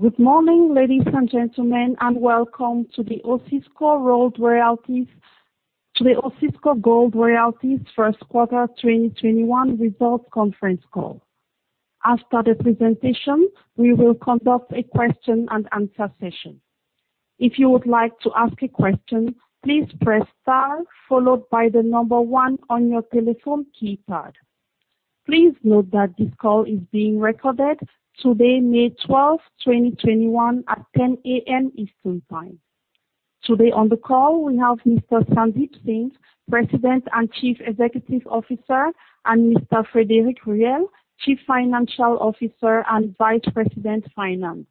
Good morning, ladies and gentlemen, and welcome to the Osisko Gold Royalties first quarter 2021 results conference call. After the presentation, we will conduct a question and answer session. If you would like to ask a question, please press star followed by the number one on your telephone keypad. Please note that this call is being recorded today, May 12th, 2021, at 10:00 A.M. Eastern Time. Today on the call, we have Mr. Sandeep Singh, President and Chief Executive Officer, and Mr. Frédéric Ruel, Chief Financial Officer and Vice President, Finance.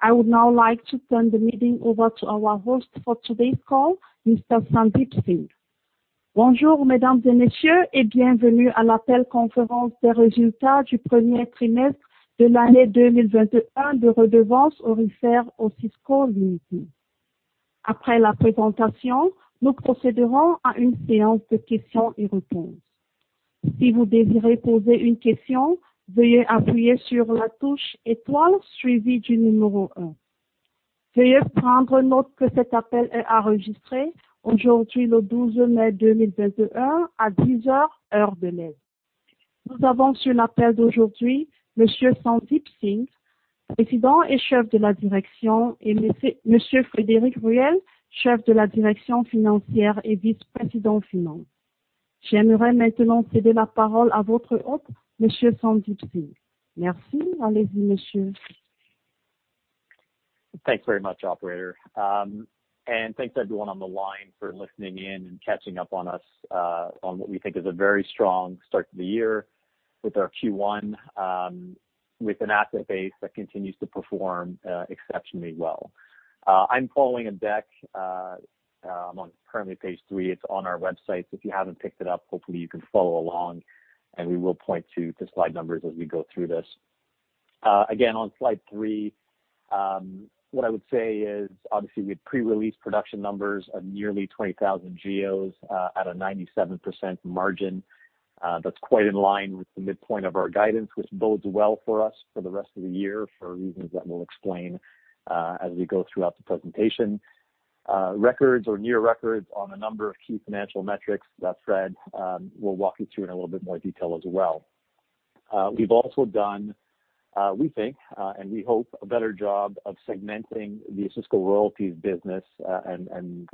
I would now like to turn the meeting over to our host for today's call, Mr. Sandeep Singh. Thanks very much, operator. Thanks everyone on the line for listening in and catching up on what we think is a very strong start to the year with our Q1, with an asset base that continues to perform exceptionally well. I'm following a deck. I'm on currently page three. It's on our website, so if you haven't picked it up, hopefully, you can follow along, and we will point to slide numbers as we go through this. Again, on slide three, what I would say is obviously we had pre-released production numbers of nearly 20,000 GEOs at a 97% margin. That's quite in line with the midpoint of our guidance, which bodes well for us for the rest of the year for reasons that we'll explain as we go throughout the presentation. Records or near records on a number of key financial metrics that Fred will walk you through in a little bit more detail as well. We've also done, we think, and we hope, a better job of segmenting the Osisko Royalties business and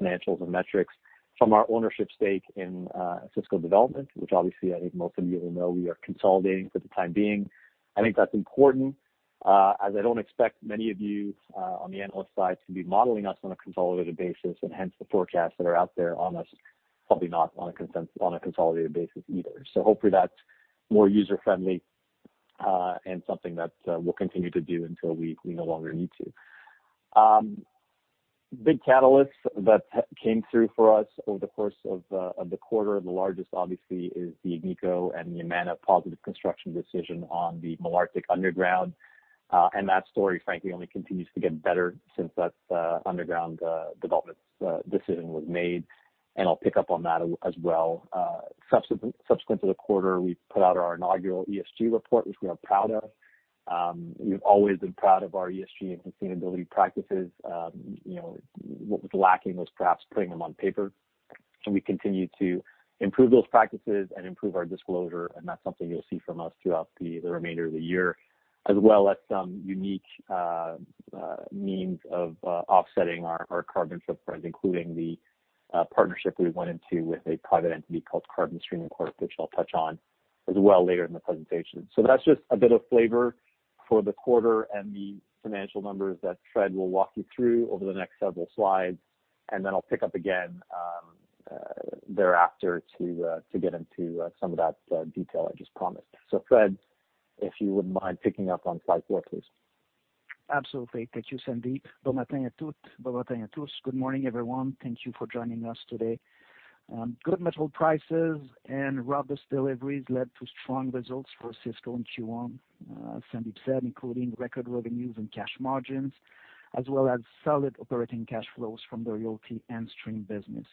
financials and metrics from our ownership stake in Osisko Development, which obviously I think most of you will know we are consolidating for the time being. I think that's important, as I don't expect many of you, on the analyst side to be modeling us on a consolidated basis, and hence the forecasts that are out there on us, probably not on a consolidated basis either. Hopefully that's more user-friendly, and something that we'll continue to do until we no longer need to. Big catalyst that came through for us over the course of the quarter. The largest, obviously, is the Agnico and Yamana positive construction decision on the Malartic Underground. That story, frankly, only continues to get better since that underground development decision was made, and I'll pick up on that as well. Subsequent to the quarter, we put out our inaugural ESG report, which we are proud of. We've always been proud of our ESG and sustainability practices. What was lacking was perhaps putting them on paper. We continue to improve those practices and improve our disclosure, and that's something you'll see from us throughout the remainder of the year, as well as some unique means of offsetting our carbon footprint, including the partnership we went into with a private entity called Carbon Streaming Corp, which I'll touch on as well later in the presentation. That's just a bit of flavor for the quarter and the financial numbers that Fred will walk you through over the next several slides, and then I'll pick up again thereafter to get into some of that detail I just promised. Fred, if you wouldn't mind picking up on slide four, please. Absolutely. Thank you, Sandeep. Good morning, everyone. Thank you for joining us today. Good metal prices and robust deliveries led to strong results for Osisko in Q1, as Sandeep said, including record revenues and cash margins, as well as solid operating cash flows from the royalty and stream business.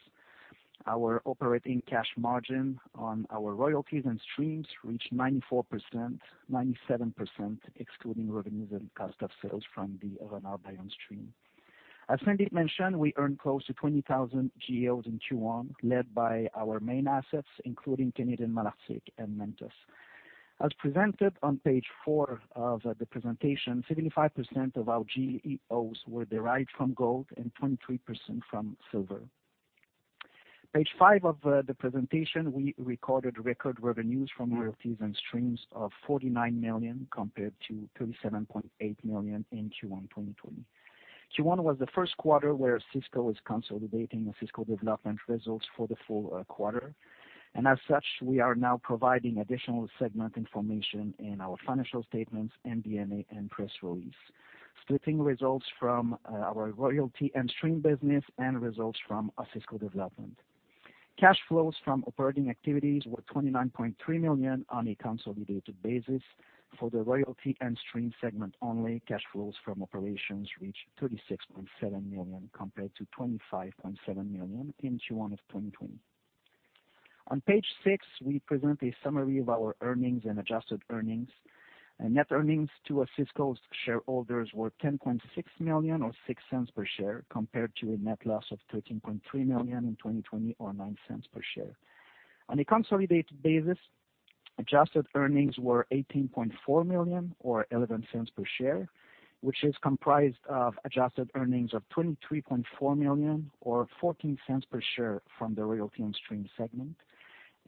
Our operating cash margin on our royalties and streams reached 94%, 97% excluding revenues and cost of sales from the Renard diamond stream. As Sandeep mentioned, we earned close to 20,000 GEOs in Q1, led by our main assets, including Canadian Malartic and Mantos. As presented on page four of the presentation, 75% of our GEOs were derived from gold and 23% from silver. Page five of the presentation, we recorded record revenues from royalties and streams of 49 million compared to 37.8 million in Q1 2020. Q1 was the first quarter where Osisko is consolidating Osisko Development results for the full quarter. As such, we are now providing additional segment information in our financial statements and MD&A and press release, splitting results from our royalty and stream business and results from Osisko Development. Cash flows from operating activities were 29.3 million on a consolidated basis. For the royalty and stream segment only, cash flows from operations reached 36.7 million compared to 25.7 million in Q1 of 2020. On page six, we present a summary of our earnings and adjusted earnings. Net earnings to Osisko's shareholders were 10.6 million, or 0.06 per share, compared to a net loss of 13.3 million in 2020, or 0.09 per share. On a consolidated basis, adjusted earnings were 18.4 million or 0.11 per share, which is comprised of adjusted earnings of 23.4 million or 0.14 per share from the royalty and stream segment,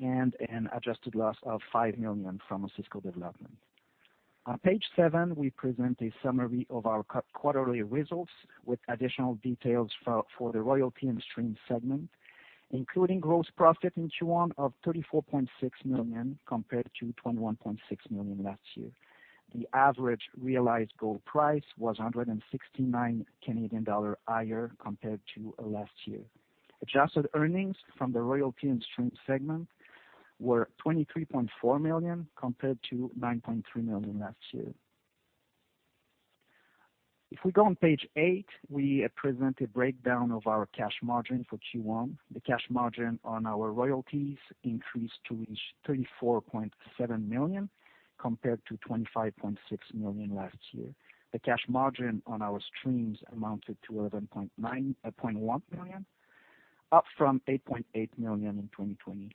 and an adjusted loss of 5 million from Osisko Development. On page seven, we present a summary of our quarterly results with additional details for the royalty and stream segment, including gross profit in Q1 of 34.6 million, compared to 21.6 million last year. The average realized gold price was 169 Canadian dollar higher compared to last year. Adjusted earnings from the royalty and streams segment were 23.4 million, compared to 9.3 million last year. If we go on page eight, we present a breakdown of our cash margin for Q1. The cash margin on our royalties increased to reach 34.7 million, compared to 25.6 million last year. The cash margin on our streams amounted to 11.1 million, up from 8.8 million in 2020,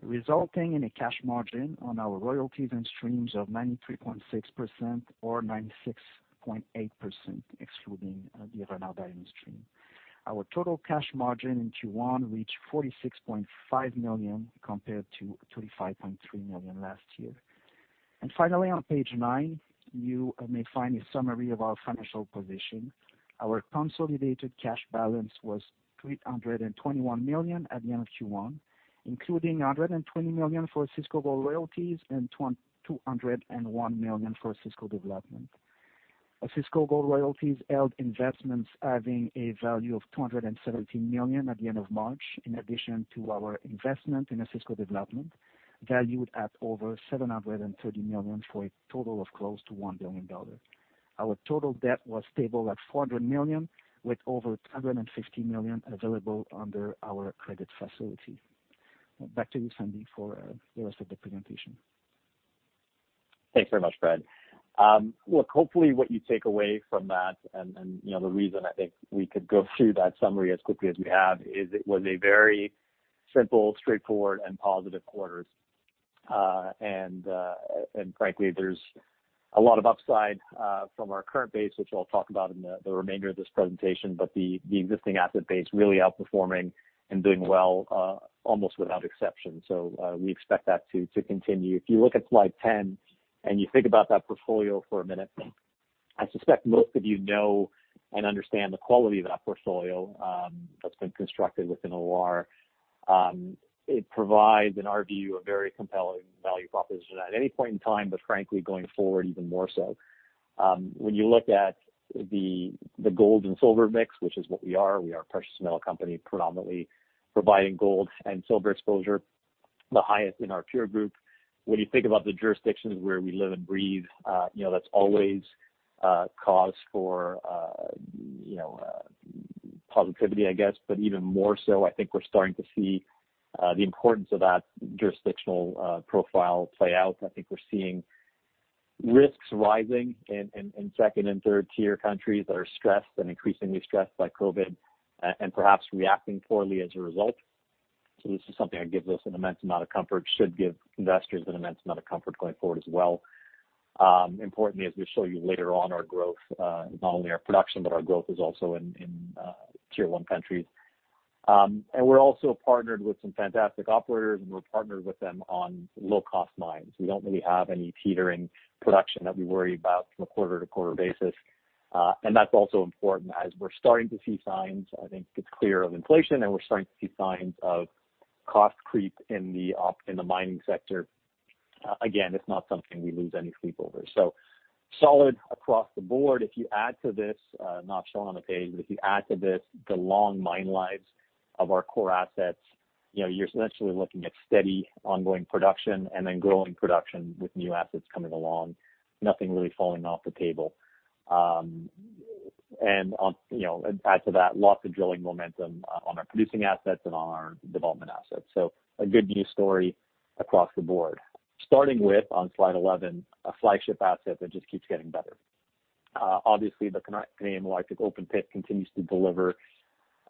resulting in a cash margin on our royalties and streams of 93.6% or 96.8%, excluding the Renard diamond stream. Our total cash margin in Q1 reached 46.5 million, compared to 25.3 million last year. Finally, on page nine, you may find a summary of our financial position. Our consolidated cash balance was 321 million at the end of Q1, including 120 million for Osisko Gold Royalties and 201 million for Osisko Development. Osisko Gold Royalties held investments having a value of 217 million at the end of March, in addition to our investment in Osisko Development, valued at over 730 million for a total of close to 1 billion dollars. Our total debt was stable at 400 million, with over 250 million available under our credit facility. Back to you, Sandeep, for the rest of the presentation. Thanks very much, Fred. Look, hopefully what you take away from that, and the reason I think we could go through that summary as quickly as we have, is it was a very simple, straightforward, and positive quarter. Frankly, there's a lot of upside from our current base, which I'll talk about in the remainder of this presentation, but the existing asset base really outperforming and doing well almost without exception. We expect that to continue. If you look at slide 10 and you think about that portfolio for a minute, I suspect most of you know and understand the quality of that portfolio that's been constructed within OR. It provides, in our view, a very compelling value proposition at any point in time, but frankly, going forward, even more so. When you look at the gold and silver mix, which is what we are, we are a precious metal company, predominantly providing gold and silver exposure, the highest in our peer group. When you think about the jurisdictions where we live and breathe, that's always cause for positivity, I guess, but even more so, I think we're starting to see the importance of that jurisdictional profile play out. I think we're seeing risks rising in Tier 2 and Tier 3 countries that are stressed and increasingly stressed by COVID, and perhaps reacting poorly as a result. This is something that gives us an immense amount of comfort, should give investors an immense amount of comfort going forward as well. Importantly, as we show you later on, our growth, not only our production, but our growth is also in Tier 1 countries. We are also partnered with some fantastic operators, and we are partnered with them on low-cost mines. We do not really have any teetering production that we worry about from a quarter-to-quarter basis. That is also important as we are starting to see signs, I think it is clear, of inflation, and we are starting to see signs of cost creep in the mining sector. Again, it is not something we lose any sleep over. Solid across the board. If you add to this, not shown on the page, but if you add to this the long mine lives of our core assets, you are essentially looking at steady ongoing production and then growing production with new assets coming along, nothing really falling off the table. Add to that, lots of drilling momentum on our producing assets and on our development assets. A good news story across the board. On slide 11, a flagship asset that just keeps getting better. Obviously, the Canadian Malartic open pit continues to deliver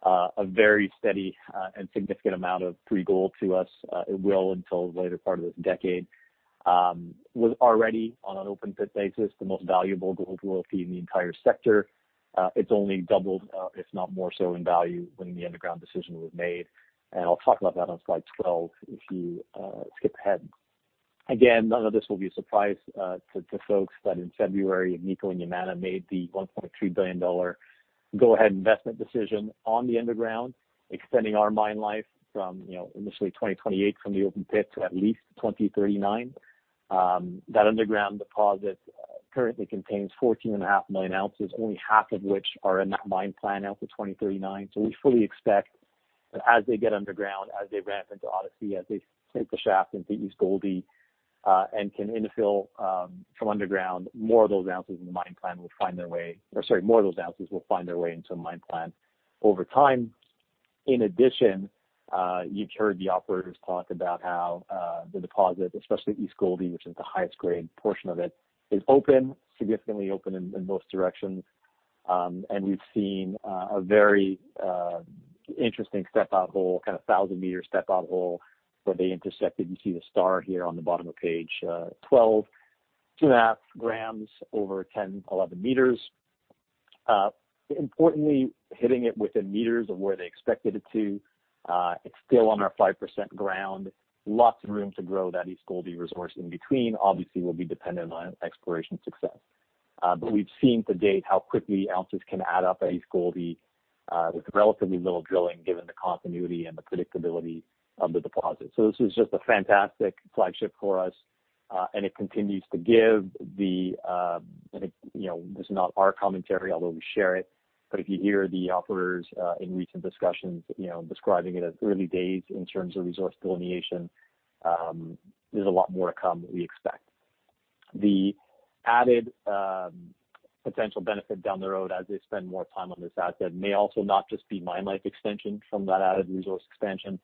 a very steady and significant amount of free gold to us. It will until the later part of this decade. It was already, on an open pit basis, the most valuable gold royalty in the entire sector. It's only doubled, if not more so in value, when the underground decision was made. I'll talk about that on slide 12, if you skip ahead. None of this will be a surprise to folks, but in February, Agnico and Yamana made the 1.3 billion dollar go-ahead investment decision on the underground, extending our mine life from initially 2028 from the open pit to at least 2039. That underground deposit currently contains 14.5 million ounces, only half of which are in that mine plan out to 2039. We fully expect that as they get underground, as they ramp into Odyssey, as they take the shaft into East Gouldie. Can infill from underground more of those ounces in the mine plan will find their way, or sorry, more of those ounces will find their way into the mine plan over time. In addition, you've heard the operators talk about how the deposit, especially East Gouldie, which is the highest grade portion of it, is open, significantly open in most directions. We've seen a very interesting step out hole, 1,000 meters step out hole where they intersected. You see the star here on the bottom of page 12, two and a half grams over 10, 11 meters. Importantly, hitting it within meters of where they expected it to. It's still on our 5% ground. Lots of room to grow that East Gouldie resource in between, obviously, will be dependent on exploration success. We've seen to date how quickly ounces can add up at East Gouldie, with relatively little drilling given the continuity and the predictability of the deposit. This is just a fantastic flagship for us, and it continues to give the, this is not our commentary, although we share it, but if you hear the operators, in recent discussions, describing it as early days in terms of resource delineation, there's a lot more to come, we expect. The added potential benefit down the road as they spend more time on this asset may also not just be mine life extension from that added resource expansion,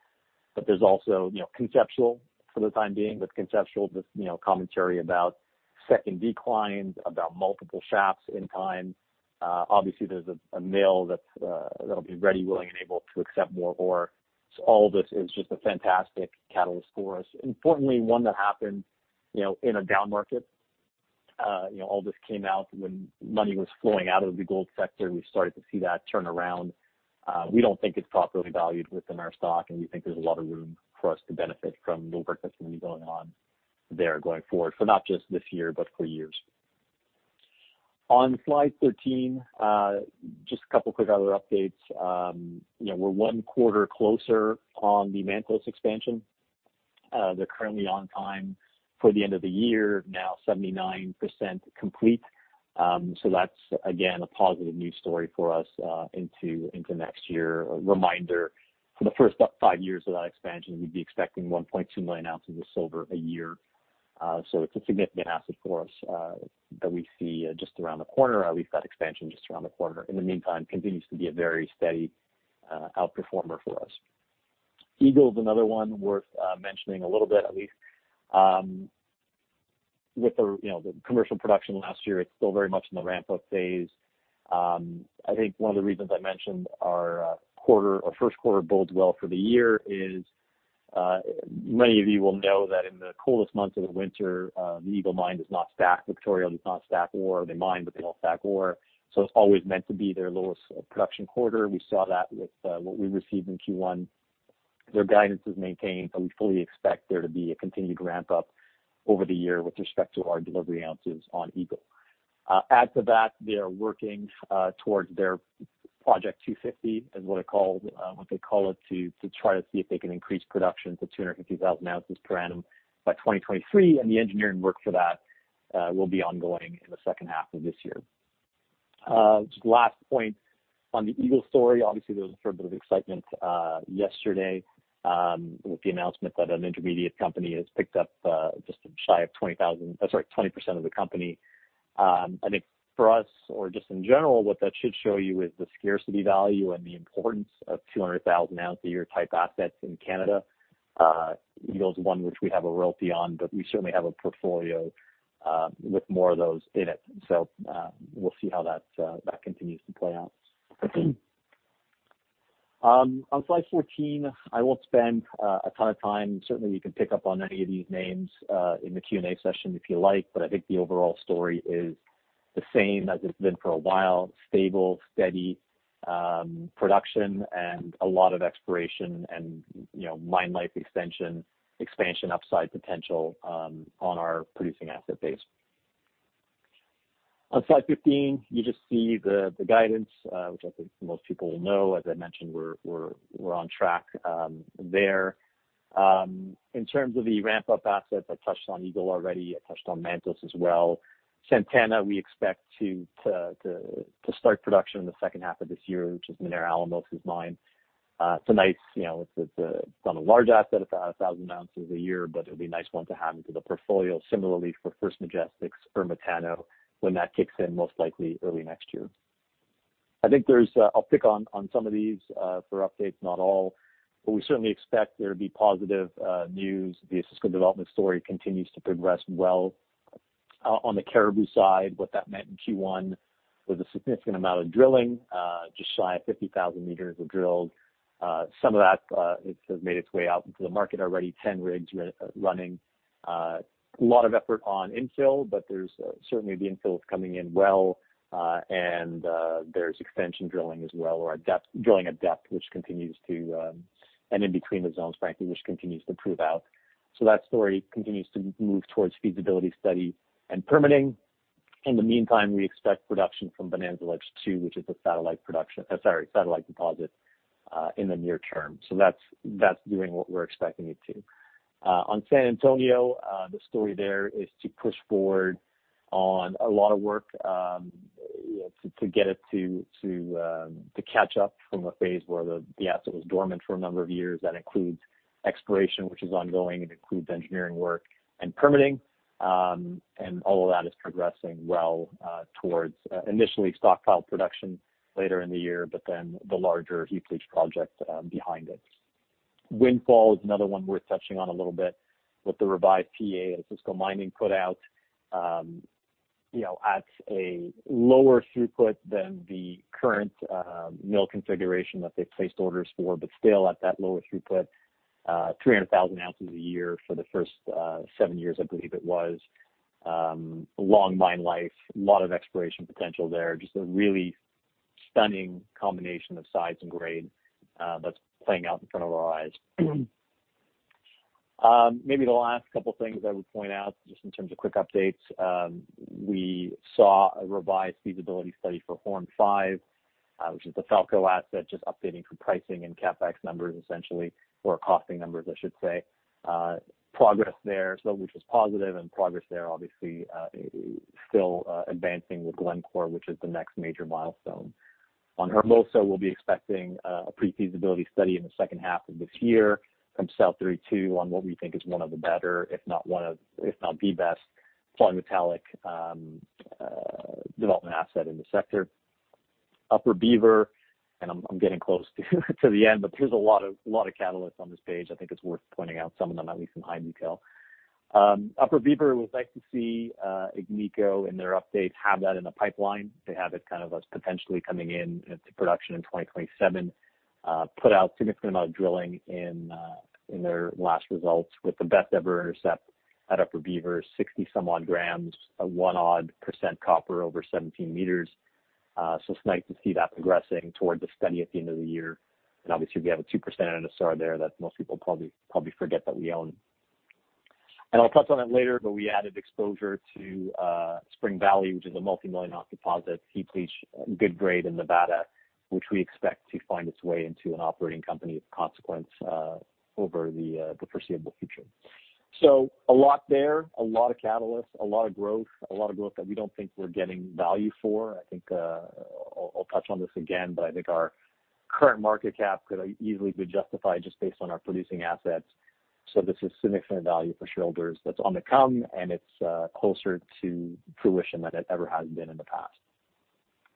but there's also conceptual for the time being, but conceptual, just commentary about second declines, about multiple shafts in kind. Obviously, there's a mill that'll be ready, willing, and able to accept more ore. All this is just a fantastic catalyst for us. Importantly, one that happened in a down market. All this came out when money was flowing out of the gold sector. We've started to see that turn around. We don't think it's properly valued within our stock, and we think there's a lot of room for us to benefit from the work that's going to be going on there going forward, for not just this year, but for years. On slide 13, just a couple quick other updates. We're one quarter closer on the Mantos expansion. They're currently on time for the end of the year, now 79% complete. That's, again, a positive news story for us into next year. A reminder, for the first five years of that expansion, we'd be expecting 1.2 million ounces of silver a year. It's a significant asset for us, that we see just around the corner. We've got expansion just around the corner. In the meantime, continues to be a very steady outperformer for us. Eagle is another one worth mentioning a little bit at least. With the commercial production last year, it's still very much in the ramp-up phase. I think one of the reasons I mentioned our first quarter bodes well for the year is, many of you will know that in the coolest months of the winter, the Eagle Mine does not stack. Victoria does not stack ore. They mine, they don't stack ore. It's always meant to be their lowest production quarter. We saw that with what we received in Q1. Their guidance is maintained. We fully expect there to be a continued ramp up over the year with respect to our delivery ounces on Eagle. Add to that, they are working towards their Project 250 is what they call it, to try to see if they can increase production to 250,000 ounces per annum by 2023. The engineering work for that will be ongoing in the second half of this year. Just the last point on the Eagle story, obviously, there was a fair bit of excitement yesterday, with the announcement that an intermediate company has picked up just shy of 20,000, I'm sorry, 20% of the company. I think for us, or just in general, what that should show you is the scarcity value and the importance of 200,000 ounce a year type assets in Canada. Eagle is one which we have a royalty on, but we certainly have a portfolio with more of those in it. We'll see how that continues to play out. On slide 14, I won't spend a ton of time. Certainly, you can pick up on any of these names in the Q&A session if you like, but I think the overall story is the same as it's been for a while. Stable, steady production, and a lot of exploration and mine life extension, expansion upside potential on our producing asset base. On slide 15, you just see the guidance, which I think most people will know. As I mentioned, we're on track there. In terms of the ramp-up assets, I touched on Eagle already. I touched on Mantos as well. Santana, we expect to start production in the second half of this year, which is Minera Alamos' mine. It's a nice, it's on a large asset, 1,000 ounces a year. It'll be a nice one to have into the portfolio. Similarly for First Majestic's Ermitaño, when that kicks in, most likely early next year. I think there's a uptick on some of these for updates, not all. We certainly expect there to be positive news. The Osisko development story continues to progress well. On the Cariboo side, what that meant in Q1 was a significant amount of drilling, just shy of 50,000m were drilled. Some of that has made its way out into the market already, 10 rigs running. A lot of effort on infill. There's certainly the infill is coming in well. There's extension drilling as well, or drilling at depth, which continues to, and in between the zones, frankly, which continues to prove out. That story continues to move towards feasibility study and permitting. In the meantime, we expect production from Bonanza Ledge II, which is a satellite deposit, in the near term. That's doing what we're expecting it to. On San Antonio, the story there is to push forward on a lot of work to get it to catch up from a phase where the asset was dormant for a number of years. That includes exploration, which is ongoing, it includes engineering work and permitting. All of that is progressing well towards initially stockpile production later in the year, but then the larger heap leach project behind it. Windfall is another one worth touching on a little bit with the revised PEA that Osisko Mining put out, at a lower throughput than the current mill configuration that they've placed orders for, but still at that lower throughput, 300,000 ounces a year for the first seven years, I believe it was. Long mine life, a lot of exploration potential there. Just a really stunning combination of size and grade that's playing out in front of our eyes. Maybe the last couple things I would point out, just in terms of quick updates, we saw a revised feasibility study for Horne 5, which is the Falco asset, just updating for pricing and CapEx numbers essentially, or costing numbers, I should say. Progress there, which was positive. Progress there, obviously, still advancing with Glencore, which is the next major milestone. On Hermosa, we'll be expecting a pre-feasibility study in the second half of this year from South32 on what we think is one of the better, if not the best polymetallic development asset in the sector. Upper Beaver, and I'm getting close to the end, but there's a lot of catalysts on this page. I think it's worth pointing out some of them, at least in high detail. Upper Beaver, it was nice to see Agnico in their updates have that in the pipeline. They have it as potentially coming into production in 2027. Put out a significant amount of drilling in their last results with the best ever intercept at Upper Beaver, 60 some odd grams, one odd % copper over 17 meters. It's nice to see that progressing toward the study at the end of the year. Obviously, we have a 2% NSR there that most people probably forget that we own. I'll touch on it later, we added exposure to Spring Valley, which is a multimillion-ounce deposit, heap leach, good grade in Nevada, which we expect to find its way into an operating company of consequence, over the foreseeable future. A lot there, a lot of catalysts, a lot of growth, a lot of growth that we don't think we're getting value for. I think, I'll touch on this again, I think our current market cap could easily be justified just based on our producing assets. This is significant value for shareholders that's on the come and it's closer to fruition than it ever has been in the past.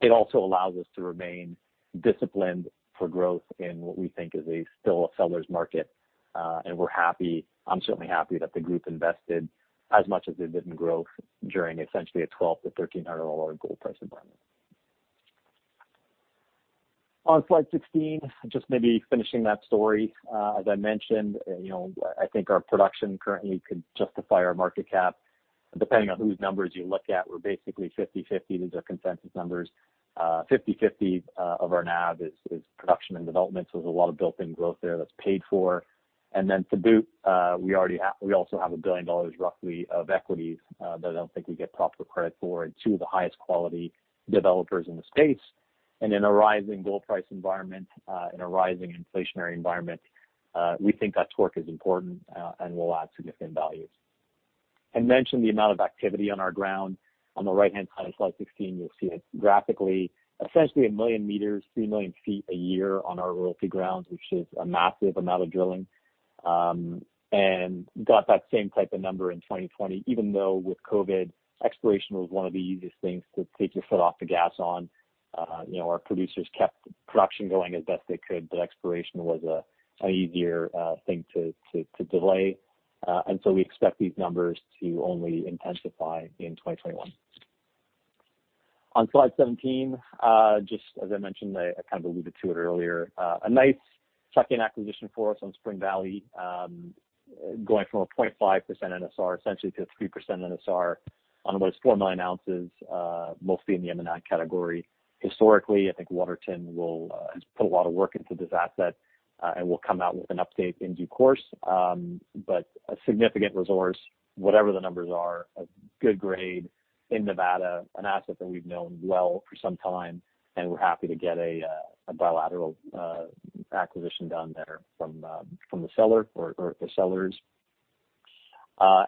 It also allows us to remain disciplined for growth in what we think is a still a seller's market. We're happy, I'm certainly happy that the group invested as much as they did in growth during essentially a 1,200-1,300 dollar gold price environment. On slide 16, just maybe finishing that story. As I mentioned, I think our production currently could justify our market cap. Depending on whose numbers you look at, we're basically 50/50. These are consensus numbers. 50/50 of our NAV is production and development, so there's a lot of built-in growth there that's paid for. To boot, we also have 1 billion dollars roughly of equities, that I don't think we get proper credit for, and two of the highest quality developers in the space. In a rising gold price environment, in a rising inflationary environment, we think that torque is important, and will add significant value. I mentioned the amount of activity on our ground. On the right-hand side of slide 16, you'll see it graphically. Essentially 1 million meters, 3 million ft a year on our royalty grounds, which is a massive amount of drilling. Got that same type of number in 2020, even though with COVID, exploration was one of the easiest things to take your foot off the gas on. Our producers kept production going as best they could, exploration was an easier thing to delay. We expect these numbers to only intensify in 2021. On slide 17, just as I mentioned, I kind of alluded to it earlier, a nice tuck-in acquisition for us on Spring Valley, going from a 0.5% NSR essentially to 3% NSR on almost 4 million ounces, mostly in the M&I category. Historically, I think Waterton has put a lot of work into this asset, and will come out with an update in due course. A significant resource, whatever the numbers are, a good grade in Nevada, an asset that we've known well for some time, and we're happy to get a bilateral acquisition done there from the seller or the sellers.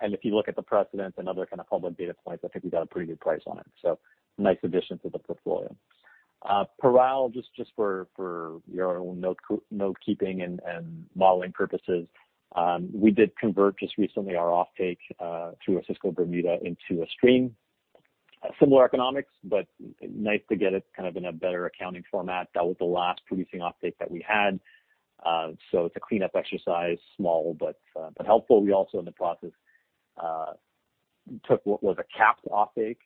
If you look at the precedents and other kind of public data points, I think we got a pretty good price on it. Nice addition to the portfolio. Parral, just for your own note keeping and modeling purposes, we did convert just recently our offtake, through Osisko Bermuda into a stream. Similar economics, but nice to get it in a better accounting format. That was the last producing offtake that we had. It's a cleanup exercise, small but helpful. We also, in the process, took what was a capped offtake,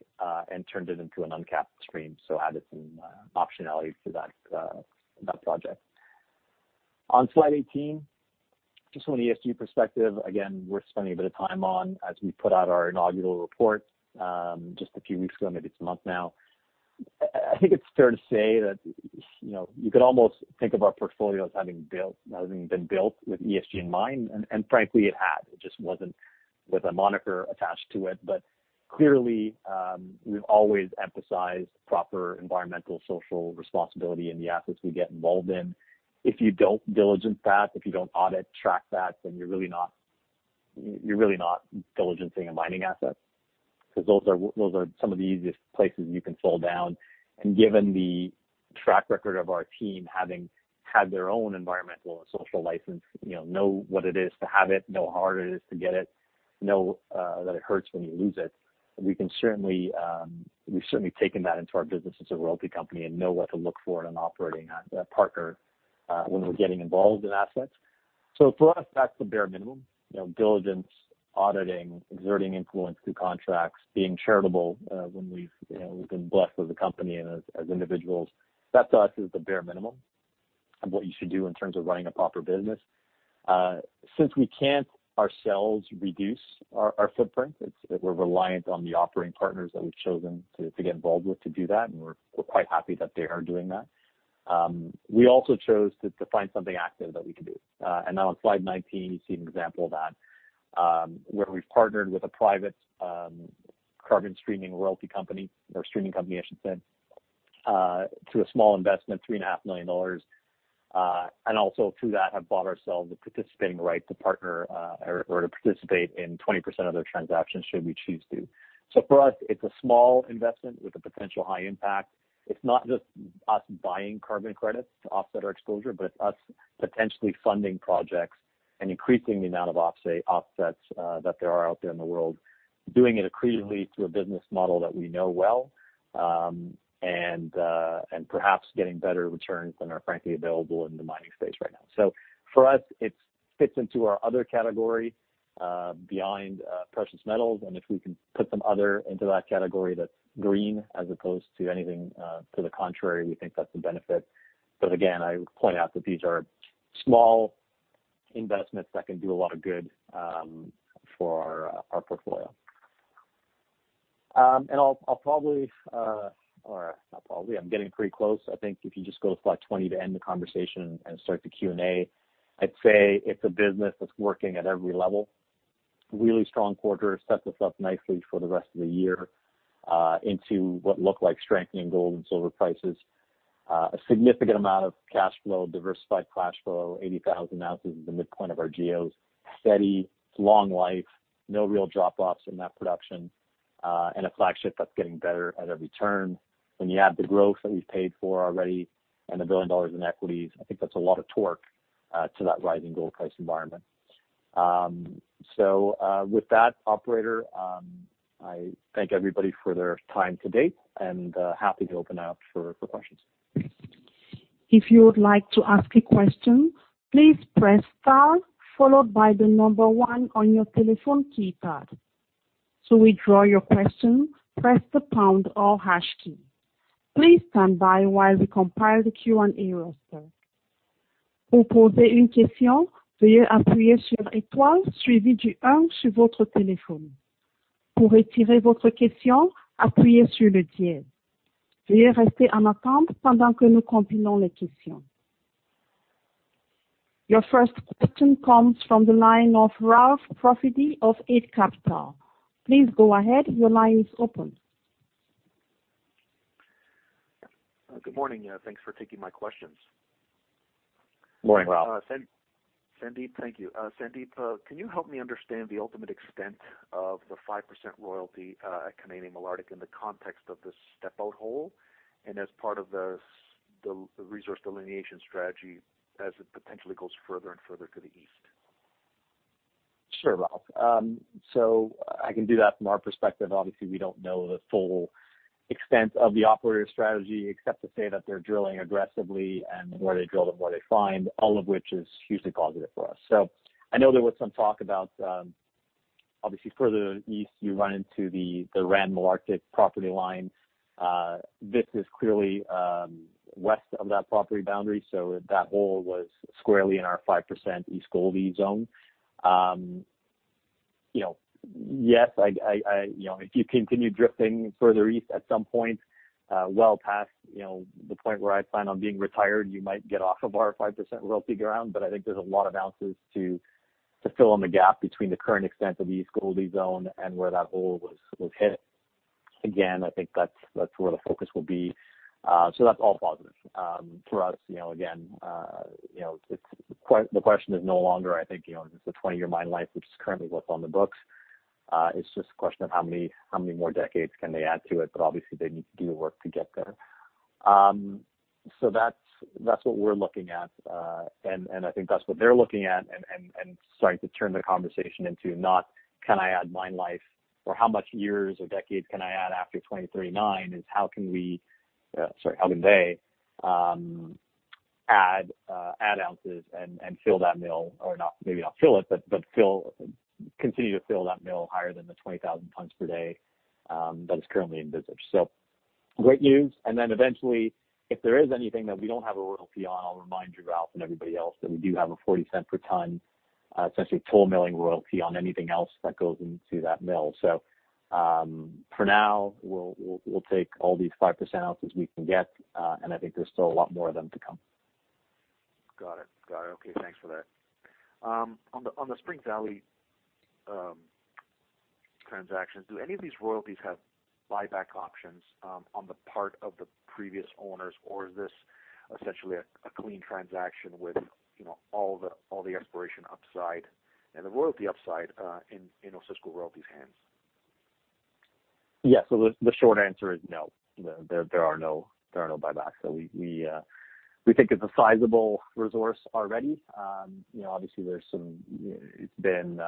and turned it into an uncapped stream, so added some optionality to that project. On slide 18, just from an ESG perspective, again, worth spending a bit of time on as we put out our inaugural report, just a few weeks ago, maybe it's a month now. I think it's fair to say that you could almost think of our portfolio as having been built with ESG in mind, and frankly, it had. It just wasn't with a moniker attached to it. Clearly, we've always emphasized proper environmental, social responsibility in the assets we get involved in. If you don't diligence that, if you don't audit, track that, then you're really not diligencing a mining asset, because those are some of the easiest places you can fall down. Given the track record of our team having had their own environmental and social license, know what it is to have it, know how hard it is to get it, know that it hurts when you lose it. We've certainly taken that into our business as a royalty company and know what to look for in an operating partner, when we're getting involved in assets. For us, that's the bare minimum. Diligence, auditing, exerting influence through contracts, being charitable when we've been blessed as a company and as individuals. That to us is the bare minimum of what you should do in terms of running a proper business. Since we can't ourselves reduce our footprint, we're reliant on the operating partners that we've chosen to get involved with to do that, and we're quite happy that they are doing that. Now on slide 19, you see an example of that, where we've partnered with a private carbon streaming royalty company, or streaming company, I should say, through a small investment, 3.5 million dollars. Also through that, have bought ourselves a participating right to partner or to participate in 20% of their transactions should we choose to. For us, it's a small investment with a potential high impact. It's not just us buying carbon credits to offset our exposure, but it's us potentially funding projects and increasing the amount of offsets that there are out there in the world. Doing it accretively through a business model that we know well, and perhaps getting better returns than are frankly available in the mining space right now. For us, it fits into our other category, behind precious metals, and if we can put some other into that category that's green as opposed to anything to the contrary, we think that's a benefit. Again, I would point out that these are small investments that can do a lot of good for our portfolio. I'm getting pretty close. I think if you just go to slide 20 to end the conversation and start the Q&A. I'd say it's a business that's working at every level. Really strong quarter, sets us up nicely for the rest of the year, into what look like strengthening gold and silver prices. A significant amount of cash flow, diversified cash flow, 80,000 ounces is the midpoint of our GEOs. Steady, long life, no real drop-offs in that production, and a flagship that's getting better at every turn. When you add the growth that we've paid for already and the 1 billion dollars in equities, I think that's a lot of torque to that rising gold price environment. With that, operator, I thank everybody for their time to date, and happy to open up for questions. If you would like to ask a question, please press star, followed by the number one on your telephone keypad. To withdraw your question, press the pound or hash key. Please stand by while we compile the Q&A roster. Your first question comes from the line of Ralph Profiti of Eight Capital. Please go ahead. Your line is open. Good morning. Thanks for taking my questions. Morning, Ralph. Sandeep, thank you. Sandeep, can you help me understand the ultimate extent of the 5% royalty at Canadian Malartic in the context of the Step-Out hole and as part of the resource delineation strategy as it potentially goes further and further to the east? Sure, Ralph. I can do that from our perspective. Obviously, we don't know the full extent of the operator strategy except to say that they're drilling aggressively and where they drill and what they find, all of which is hugely positive for us. I know there was some talk about, obviously further east, you run into the Canadian Malartic property line. This is clearly west of that property boundary, so that hole was squarely in our 5% East Gouldie zone. Yes, if you continue drifting further east at some point, well past the point where I plan on being retired, you might get off of our 5% royalty ground. I think there's a lot of ounces to fill in the gap between the current extent of the East Gouldie zone and where that hole was hit. Again, I think that's where the focus will be. That's all positive. For us, again, the question is no longer, I think, is this a 20-year mine life, which is currently what's on the books? It's just a question of how many more decades can they add to it, but obviously they need to do the work to get there. That's what we're looking at. I think that's what they're looking at and starting to turn the conversation into not can I add mine life or how much years or decades can I add after 2039, is how can we, sorry, how can they add ounces and fill that mill or maybe not fill it, but continue to fill that mill higher than the 20,000 tons per day that is currently envisaged. Great news. Eventually, if there is anything that we don't have a royalty on, I'll remind you, Ralph, and everybody else, that we do have a 0.40 per ton, essentially toll milling royalty on anything else that goes into that mill. For now, we'll take all these 5% ounces we can get. I think there's still a lot more of them to come. Got it. Okay, thanks for that. On the Spring Valley transactions, do any of these royalties have buyback options on the part of the previous owners, or is this essentially a clean transaction with all the exploration upside and the royalty upside in Osisko Royalties' hands? Yes. The short answer is no. There are no buybacks. We think it's a sizable resource already. Obviously, it's been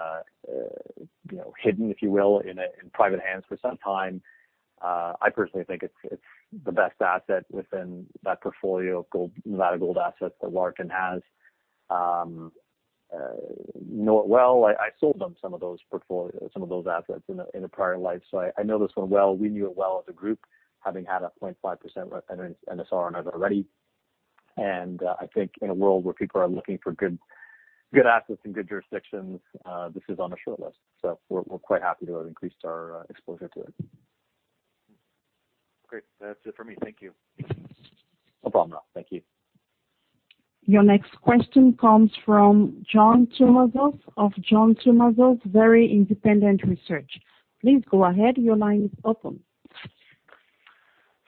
hidden, if you will, in private hands for some time. I personally think it's the best asset within that portfolio of gold assets that Waterton has. I sold them some of those assets in a prior life, so I know this one well. We knew it well as a group, having had a 0.5% NSR on it already. I think in a world where people are looking for good assets in good jurisdictions, this is on the shortlist. We're quite happy to have increased our exposure to it. Great. That's it for me. Thank you. No problem. Thank you. Your next question comes from John Tumazo of John Tumazos Very Independent Research. Please go ahead. Your line is open.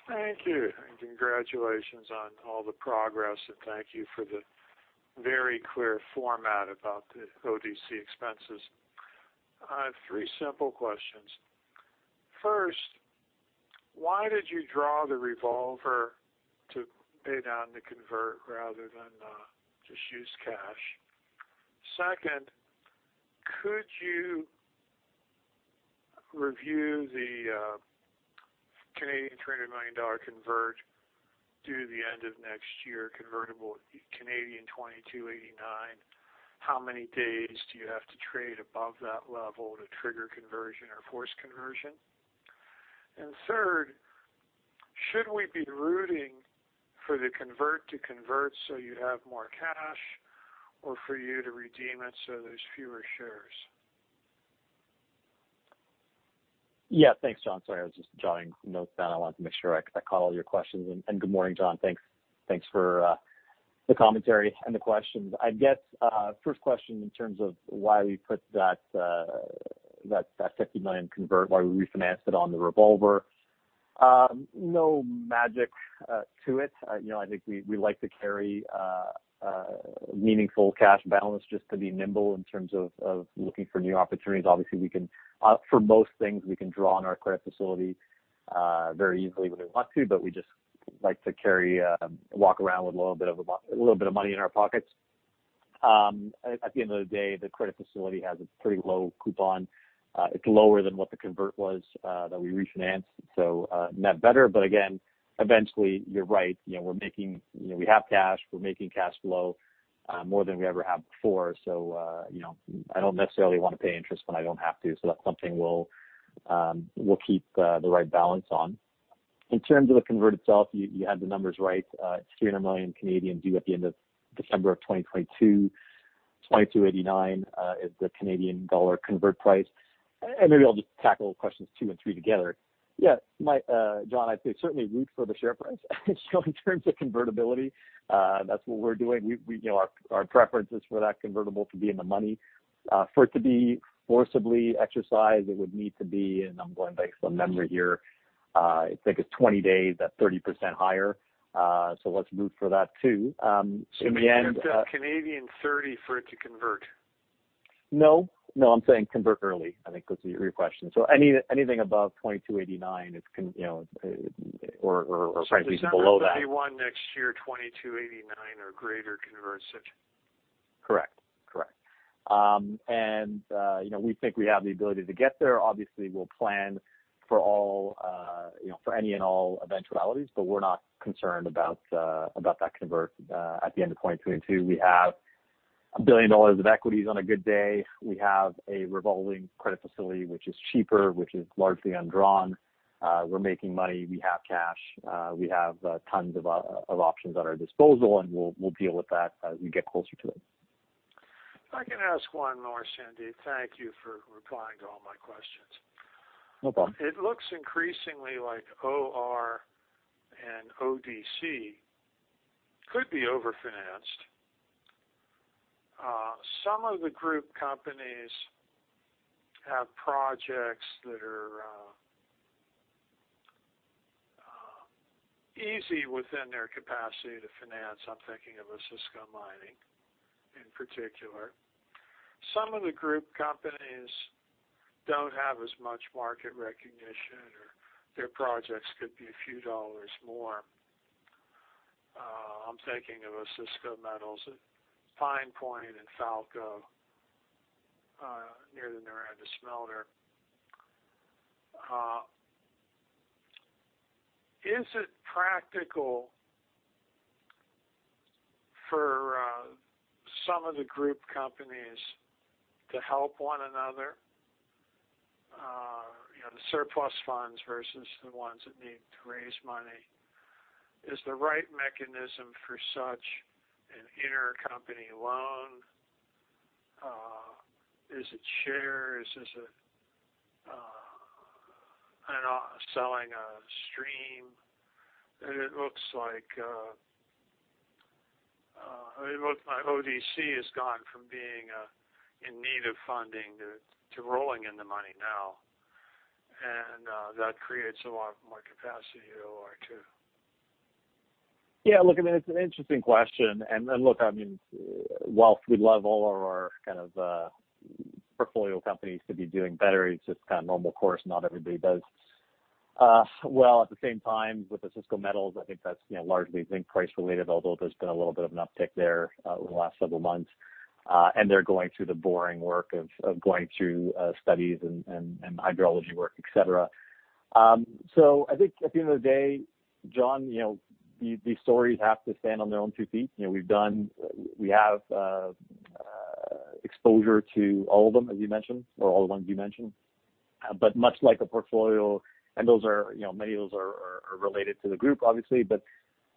Thank you, congratulations on all the progress, and thank you for the very clear format about the ODC expenses. I have three simple questions. First, why did you draw the revolver to pay down the convert rather than just use cash? Second, could you review the 300 million dollar convert due the end of next year, convertible 22.89? How many days do you have to trade above that level to trigger conversion or force conversion? Third, should we be rooting for the convert to convert so you have more cash, or for you to redeem it so there's fewer shares? Yeah. Thanks, John. Sorry, I was just jotting some notes down. I wanted to make sure I caught all your questions. Good morning, John. Thanks for the commentary and the questions. I guess, first question in terms of why we put that 50 million convert, why we refinanced it on the revolver. No magic to it. I think we like to carry a meaningful cash balance just to be nimble in terms of looking for new opportunities. Obviously, for most things, we can draw on our credit facility very easily when we want to, but we just like to walk around with a little bit of money in our pockets. At the end of the day, the credit facility has a pretty low coupon. It's lower than what the convert was that we refinanced, so net better. Again, eventually, you're right. We have cash. We're making cash flow more than we ever have before. I don't necessarily want to pay interest when I don't have to, so that's something we'll keep the right balance on. In terms of the convert itself, you had the numbers right. It's 300 million due at the end of December of 2022. 22.89 is the Canadian dollar convert price. Maybe I'll just tackle questions two and three together. John, I'd say certainly root for the share price in terms of convertibility. That's what we're doing. Our preference is for that convertible to be in the money. For it to be forcibly exercised, it would need to be, and I'm going based on memory here, I think it's 20 days at 30% higher. Let's root for that, too. You mean 30 for it to convert? No, I'm saying convert early, I think was your question. Anything above 22.89 or preferably below that. Sorry. You said Q1 of next year, 22.89 or greater converts it. Correct. We think we have the ability to get there. Obviously, we'll plan for any and all eventualities, we're not concerned about that convert at the end of 2022. We have 1 billion dollars of equities on a good day. We have a revolving credit facility, which is cheaper, which is largely undrawn. We're making money. We have cash. We have tons of options at our disposal, we'll deal with that as we get closer to it. If I can ask one more, Sandeep. Thank you for replying to all my questions. No problem. It looks increasingly like OR and ODC could be over-financed. Some of the group companies have projects that are easy within their capacity to finance. I'm thinking of Osisko Mining, in particular. Some of the group companies don't have as much market recognition, or their projects could be a few dollars more. I'm thinking of Osisko Metals at Pine Point and Falco, near the Noranda smelter. Is it practical for some of the group companies to help one another? The surplus funds versus the ones that need to raise money. Is the right mechanism for such an intercompany loan? Is it shares? Is it selling a stream? Look, my ODC has gone from being in need of funding to rolling in the money now. That creates a lot more capacity at OR too. Yeah, look, it's an interesting question. Look, whilst we'd love all of our portfolio companies to be doing better, it's just kind of normal course, not everybody does well. At the same time, with the Osisko Metals, I think that's largely zinc price related, although there's been a little bit of an uptick there over the last several months. They're going through the boring work of going through studies and hydrology work, et cetera. I think at the end of the day, John, these stories have to stand on their own two feet. We have exposure to all of them, as you mentioned, or all the ones you mentioned. Much like a portfolio, and many of those are related to the group, obviously, but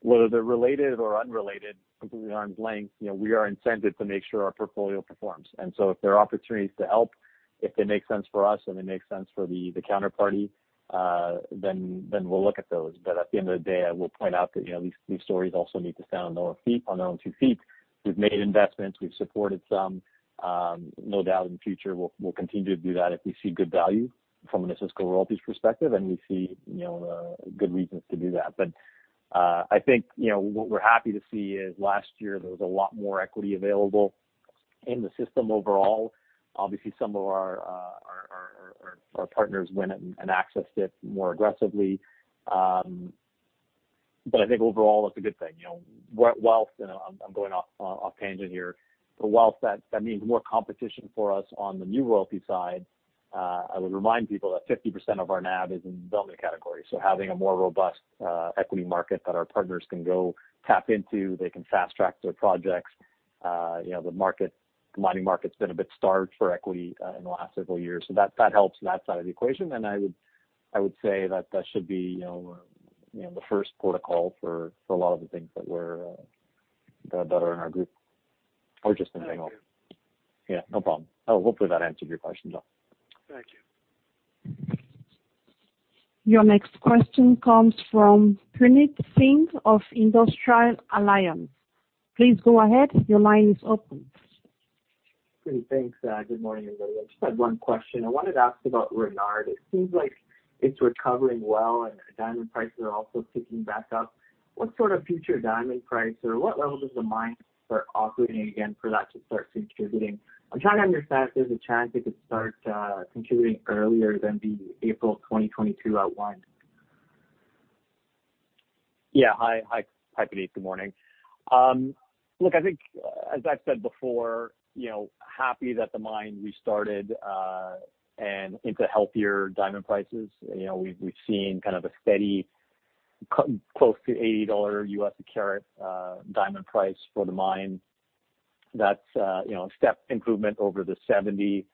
whether they're related or unrelated, completely arm's length, we are incented to make sure our portfolio performs. If there are opportunities to help, if they make sense for us and they make sense for the counterparty, then we'll look at those. At the end of the day, I will point out that these stories also need to stand on their own two feet. We've made investments, we've supported some. No doubt in the future, we'll continue to do that if we see good value from a Osisko Royalties perspective, and we see good reasons to do that. I think what we're happy to see is last year, there was a lot more equity available in the system overall. Obviously, some of our partners went and accessed it more aggressively. I think overall, it's a good thing. I'm going off tangent here. For whilst that means more competition for us on the new royalty side, I would remind people that 50% of our NAV is in development category. Having a more robust equity market that our partners can go tap into, they can fast track their projects. The mining market's been a bit starved for equity in the last several years. That helps that side of the equation. I would say that that should be the first port of call for a lot of the things that are in our group or just in general. Thank you. Yeah, no problem. Hopefully, that answered your question, John. Thank you. Your next question comes from Puneet Singh of Industrial Alliance. Please go ahead. Your line is open. Puneet, thanks. Good morning, everybody. I just had one question. I wanted to ask about Renard. It seems like it's recovering well, and diamond prices are also ticking back up. What sort of future diamond price, or what level does the mine start operating again for that to start contributing? I'm trying to understand if there's a chance it could start contributing earlier than the April 2022 outline. Yeah. Hi, Puneet. Good morning. Look, I think, as I've said before, happy that the mine restarted, into healthier diamond prices. We've seen kind of a steady, close to $80 a carat diamond price for the mine. That's a step improvement over the $70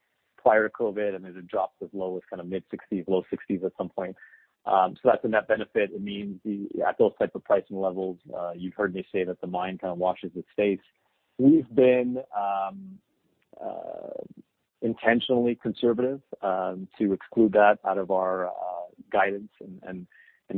prior to COVID, there's a drop as low as kind of mid-$60s, low $60s at some point. That's a net benefit. It means at those type of pricing levels, you've heard me say that the mine kind of washes its face. We've been intentionally conservative to exclude that out of our guidance and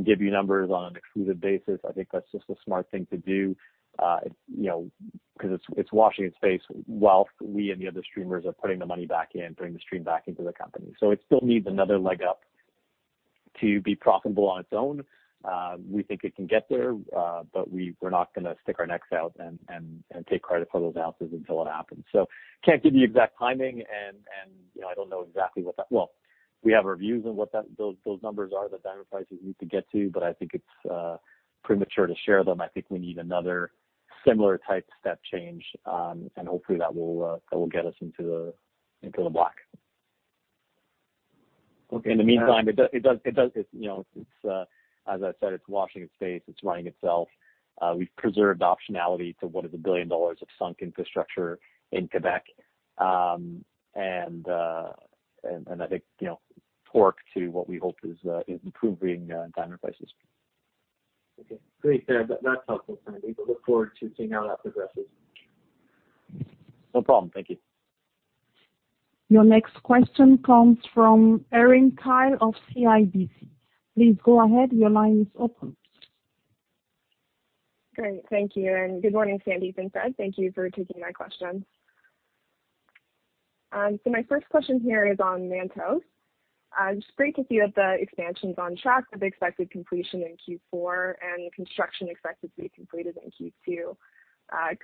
give you numbers on an excluded basis. I think that's just a smart thing to do, because it's washing its face while we and the other streamers are putting the money back in, putting the stream back into the company. It still needs another leg up to be profitable on its own. We think it can get there, but we are not going to stick our necks out and take credit for those ounces until it happens. Can't give you exact timing, and I do not know exactly what. We have our views on what those numbers are, the diamond prices we need to get to, but I think it is premature to share them. I think we need another similar type step change, and hopefully that will get us into the black. Okay. In the meantime, As I said, it's washing its face. It's running itself. We've preserved optionality to what is 1 billion dollars of sunk infrastructure in Quebec. I think, torque to what we hope is improving diamond prices. Okay, great. That's helpful, Puneet. We look forward to seeing how that progresses. No problem. Thank you. Your next question comes from Erin Kyle of CIBC. Please go ahead. Your line is open. Great. Thank you, and good morning, Sandeep and Fred. Thank you for taking my questions. My first question here is on Mantos. Just great to see that the expansion's on track with expected completion in Q4 and construction expected to be completed in Q2.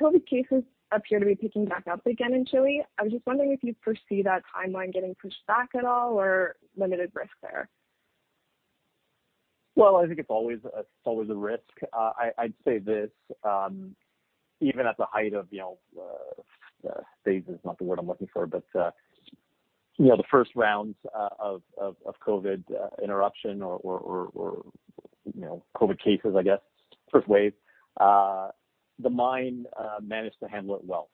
COVID cases appear to be picking back up again in Chile. I was just wondering if you foresee that timeline getting pushed back at all or limited risk there. Well, I think it's always a risk. I'd say this, even at the height of, phase is not the word I'm looking for, but the first rounds of COVID interruption or COVID cases, I guess, first wave, the mine managed to handle it well.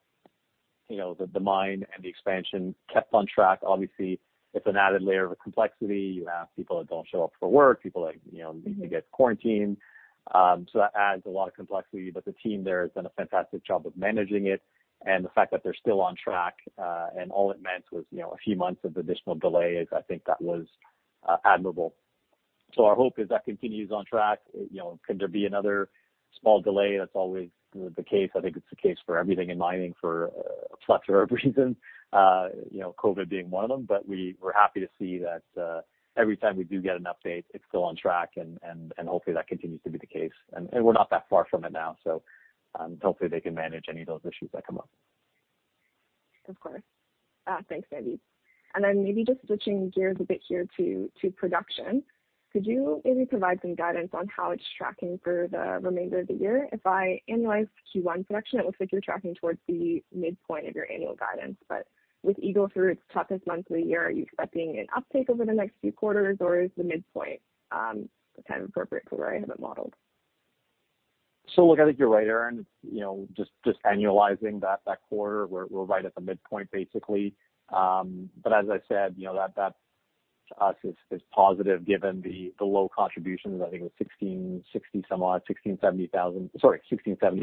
The mine and the expansion kept on track. Obviously, it's an added layer of complexity. You have people that don't show up for work, people that need to get quarantined. That adds a lot of complexity, but the team there has done a fantastic job of managing it. The fact that they're still on track, and all it meant was a few months of additional delay is I think that was admirable. Our hope is that continues on track. Could there be another small delay? That's always the case. I think it's the case for everything in mining for a plethora of reasons COVID being one of them. We were happy to see that every time we do get an update, it's still on track, and hopefully, that continues to be the case. We're not that far from it now, so hopefully they can manage any of those issues that come up. Of course. Thanks, Sandeep. Then maybe just switching gears a bit here to production. Could you maybe provide some guidance on how it's tracking for the remainder of the year? If I annualize Q1 production, it looks like you're tracking towards the midpoint of your annual guidance. With Eagle through its toughest month of the year, are you expecting an uptick over the next few quarters, or is the midpoint appropriate for where I have it modeled? Look, I think you're right, Erin. Just annualizing that quarter, we're right at the midpoint, basically. As I said, that to us is positive given the low contributions. I think it was 1,670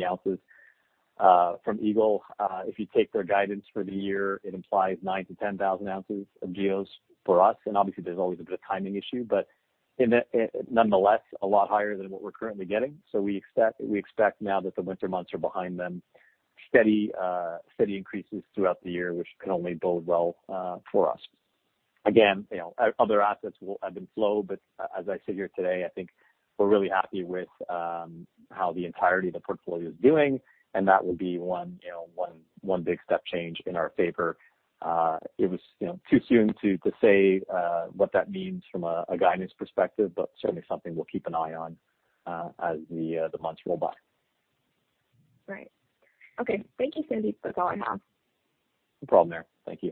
ounces from Eagle. If you take their guidance for the year, it implies 9,000 ounces-10,000 ounces of GEOs for us. Obviously, there's always a bit of timing issue, but nonetheless, a lot higher than what we're currently getting. We expect now that the winter months are behind them, steady increases throughout the year, which can only bode well for us. Again, other assets will ebb and flow, but as I sit here today, I think we're really happy with how the entirety of the portfolio is doing, and that will be one big step change in our favor. It was too soon to say what that means from a guidance perspective, but certainly something we'll keep an eye on as the months roll by. Right. Okay. Thank you, Sandeep. That's all I have. No problem, Erin. Thank you.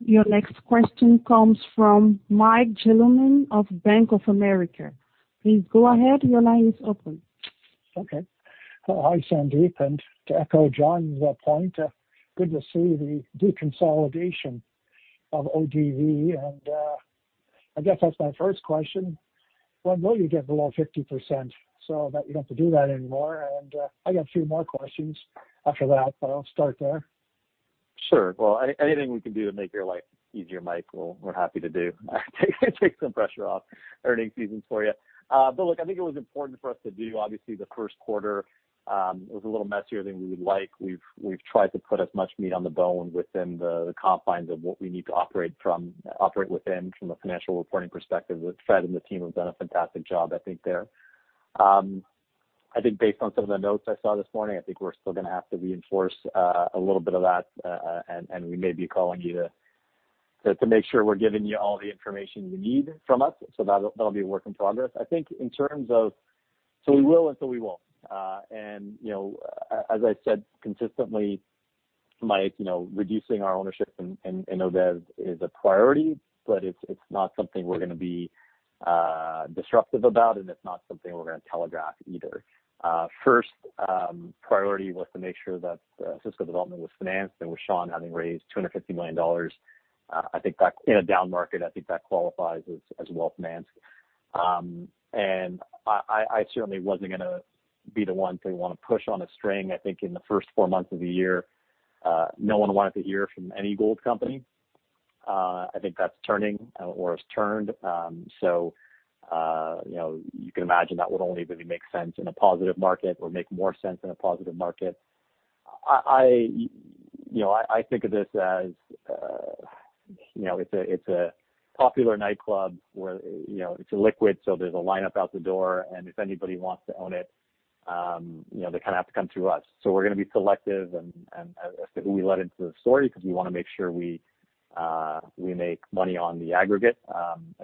Your next question comes from Mike Jalonen of Bank of America. Please go ahead. Your line is open. Okay. Hi, Sandeep, to echo John's point, good to see the deconsolidation of ODV. I guess that's my first question. When will you get below 50% so that you don't have to do that anymore? I got a few more questions after that, but I'll start there. Sure. Well, anything we can do to make your life easier, Mike, we're happy to do. Take some pressure off earnings seasons for you. Look, I think it was important for us to do. Obviously, the first quarter, it was a little messier than we would like. We've tried to put as much meat on the bone within the confines of what we need to operate within from a financial reporting perspective. Fred and the team have done a fantastic job, I think, there. I think based on some of the notes I saw this morning, I think we're still going to have to reinforce a little bit of that, and we may be calling you to make sure we're giving you all the information you need from us. That'll be a work in progress. I think in terms of, so we will and so we won't. As I said consistently, Mike, reducing our ownership in ODV is a priority, but it's not something we're going to be disruptive about, and it's not something we're going to telegraph either. First priority was to make sure that Osisko Development was financed, and with Sean having raised 250 million dollars, in a down market, I think that qualifies as well-financed. I certainly wasn't going to be the one to want to push on a string. I think in the first four months of the year, no one wanted to hear from any gold company. I think that's turning or has turned. You can imagine that would only really make sense in a positive market or make more sense in a positive market. I think of this as, it's a popular nightclub where it's liquid, so there's a lineup out the door, and if anybody wants to own it, they have to come through us. We're going to be selective as to who we let into the story because we want to make sure we make money on the aggregate,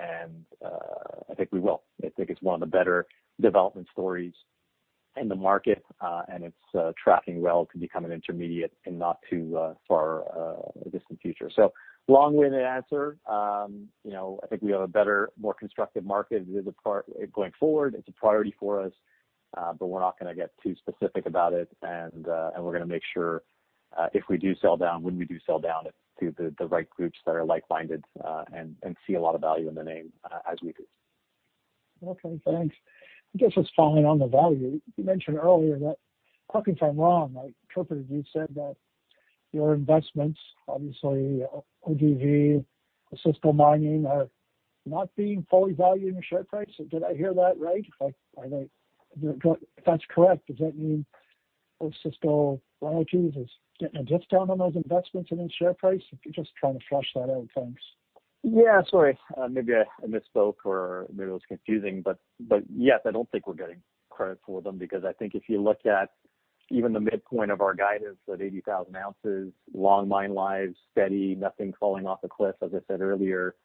and I think we will. I think it's one of the better development stories in the market, and it's tracking well to become an intermediate in not too far a distant future. Long-winded answer. I think we have a better, more constructive market going forward. It's a priority for us, but we're not going to get too specific about it, and we're going to make sure if we do sell down, when we do sell down, it's to the right groups that are like-minded and see a lot of value in the name as we do. Okay, thanks. I guess just following on the value, you mentioned earlier that, correct me if I'm wrong, I interpreted you said that your investments, obviously ODV, Osisko Mining, are not being fully valued in the share price. Did I hear that right? If that's correct, does that mean Osisko, is getting a discount on those investments in its share price? Just trying to flush that out. Thanks. Yeah, sorry. Maybe I misspoke or maybe it was confusing, yes, I don't think we're getting credit for them because I think if you look at even the midpoint of our guidance at 80,000 ounces, long mine lives, steady, nothing falling off a cliff, as I said earlier.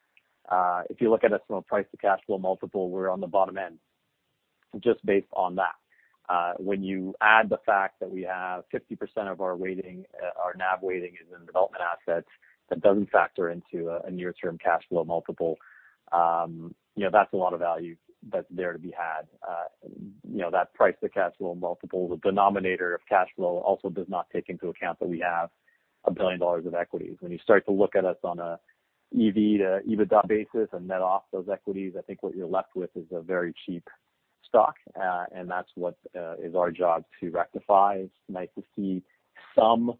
If you look at us from a price to cash flow multiple, we're on the bottom end just based on that. When you add the fact that we have 50% of our NAV weighting is in development assets, that doesn't factor into a near-term cash flow multiple. That's a lot of value that's there to be had. That price to cash flow multiple, the denominator of cash flow also does not take into account that we have 1 billion dollars of equity. When you start to look at us on an EV to EBITDA basis and net off those equities, I think what you're left with is a very cheap stock, and that's what is our job to rectify. It's nice to see some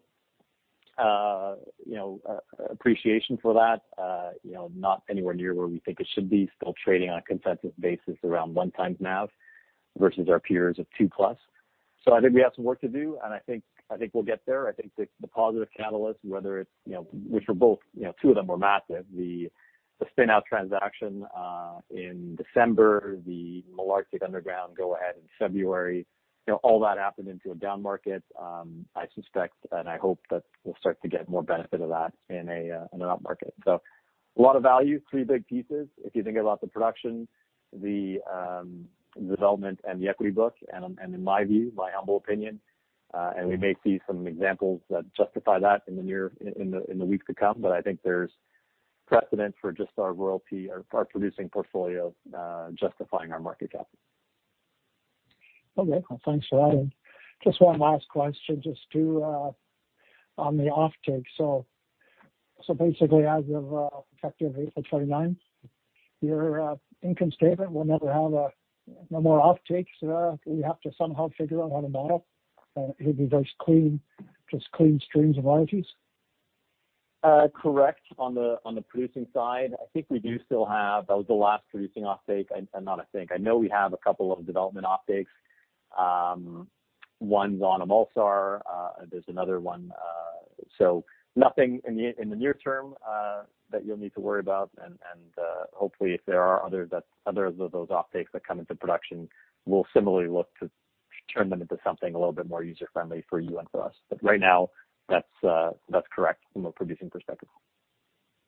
appreciation for that, not anywhere near where we think it should be. Still trading on a consensus basis around one times NAV versus our peers of two plus. I think we have some work to do, and I think we'll get there. I think the positive catalyst, two of them are massive. The spin-out transaction in December, the Malartic Underground go-ahead in February, all that happened into a down market. I suspect and I hope that we'll start to get more benefit of that in an up market. A lot of value, three big pieces, if you think about the production, the development, and the equity book, and in my view, my humble opinion, and we may see some examples that justify that in the weeks to come. I think there's precedent for just our royalty, our producing portfolio justifying our market cap. Okay, cool, thanks for that. Just one last question just to, on the offtake. Basically, as of effective April 29, your income statement will never have no more offtakes. You have to somehow figure out how to model it. It'll be just clean streams and royalties. Correct. On the producing side, that was the last producing offtake. I know we have a couple of development offtakes. One's on Amulsar, there's another one. Nothing in the near term that you'll need to worry about. Hopefully if there are others of those offtakes that come into production, we'll similarly look to turn them into something a little bit more user-friendly for you and for us. Right now, that's correct from a producing perspective.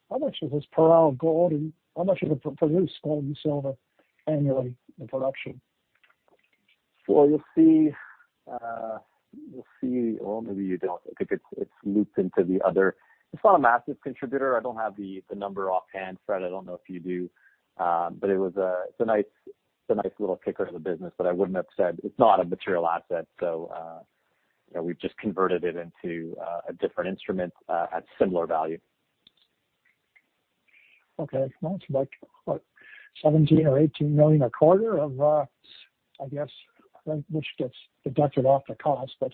How much of this Parral gold and how much of the produce gold you sell annually in production? You'll see, or maybe you don't, I think it's looped into the other. It's not a massive contributor. I don't have the number offhand, Fred. I don't know if you do. It's a nice little kicker to the business, but I wouldn't have said it's not a material asset, so we just converted it into a different instrument at similar value. Okay. It's not like what, 17 million or 18 million a quarter of, I guess, which gets deducted off the cost, but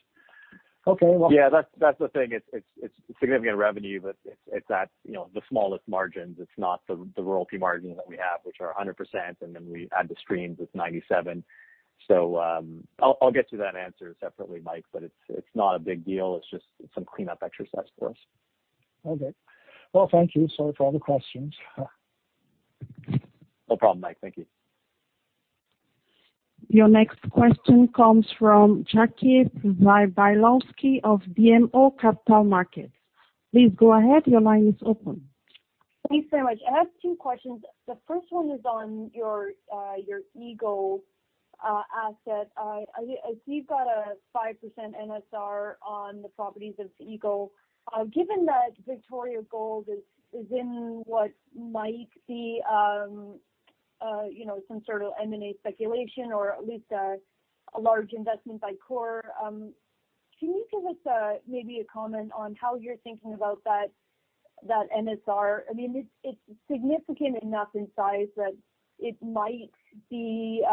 okay, well. Yeah, that's the thing. It's giving you revenue, but it's at the smallest margins. It's not the royalty margins that we have, which are 100%. We add the streams, it's 97%. I'll get to that answer separately, Mike. It's not a big deal. It's just some cleanup exercise for us. Okay. Thank you, sir, for all the questions. No problem, Mike. Thank you. Your next question comes from Jackie Przybylowski of BMO Capital Markets. Please go ahead. Your line is open. Thanks very much. I have two questions. The first one is on your Eagle asset. I see you've got a 5% NSR on the properties of Eagle. Given that Victoria Gold is in what might be some sort of M&A speculation or at least a large investment by Coeur, can you give us maybe a comment on how you're thinking about that NSR? It's significant enough in size that it might be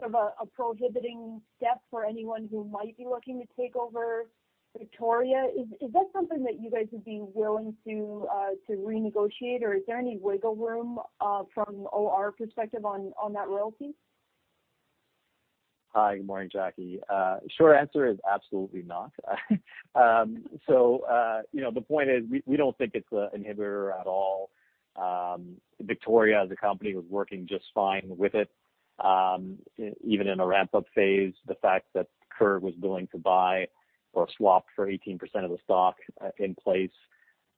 sort of a prohibiting step for anyone who might be looking to take over Victoria. Is that something that you guys would be willing to renegotiate, or is there any wiggle room from OR perspective on that royalty? Hi. Good morning, Jackie. Short answer is absolutely not. The point is we don't think it's an inhibitor at all. Victoria as a company was working just fine with it. Even in a ramp-up phase, the fact that Coeur was willing to buy or swap for 18% of the stock in place,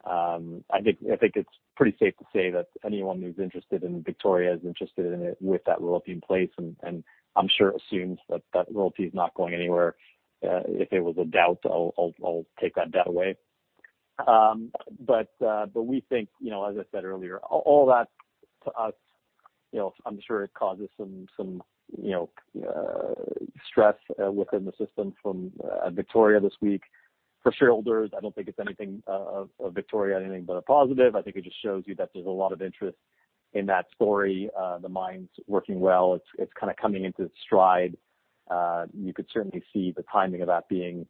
I think it's pretty safe to say that anyone who's interested in Victoria is interested in it with that royalty in place, and I'm sure it assumes that royalty's not going anywhere. If it was a doubt, I'll take that doubt away. We think, as I said earlier, all that to us, I'm sure it causes some stress within the system from Victoria this week. For shareholders, I don't think it's anything, for Victoria anything, but a positive. I think it just shows you that there's a lot of interest in that story. The mine's working well. It's kind of coming into its stride. You could certainly see the timing of that being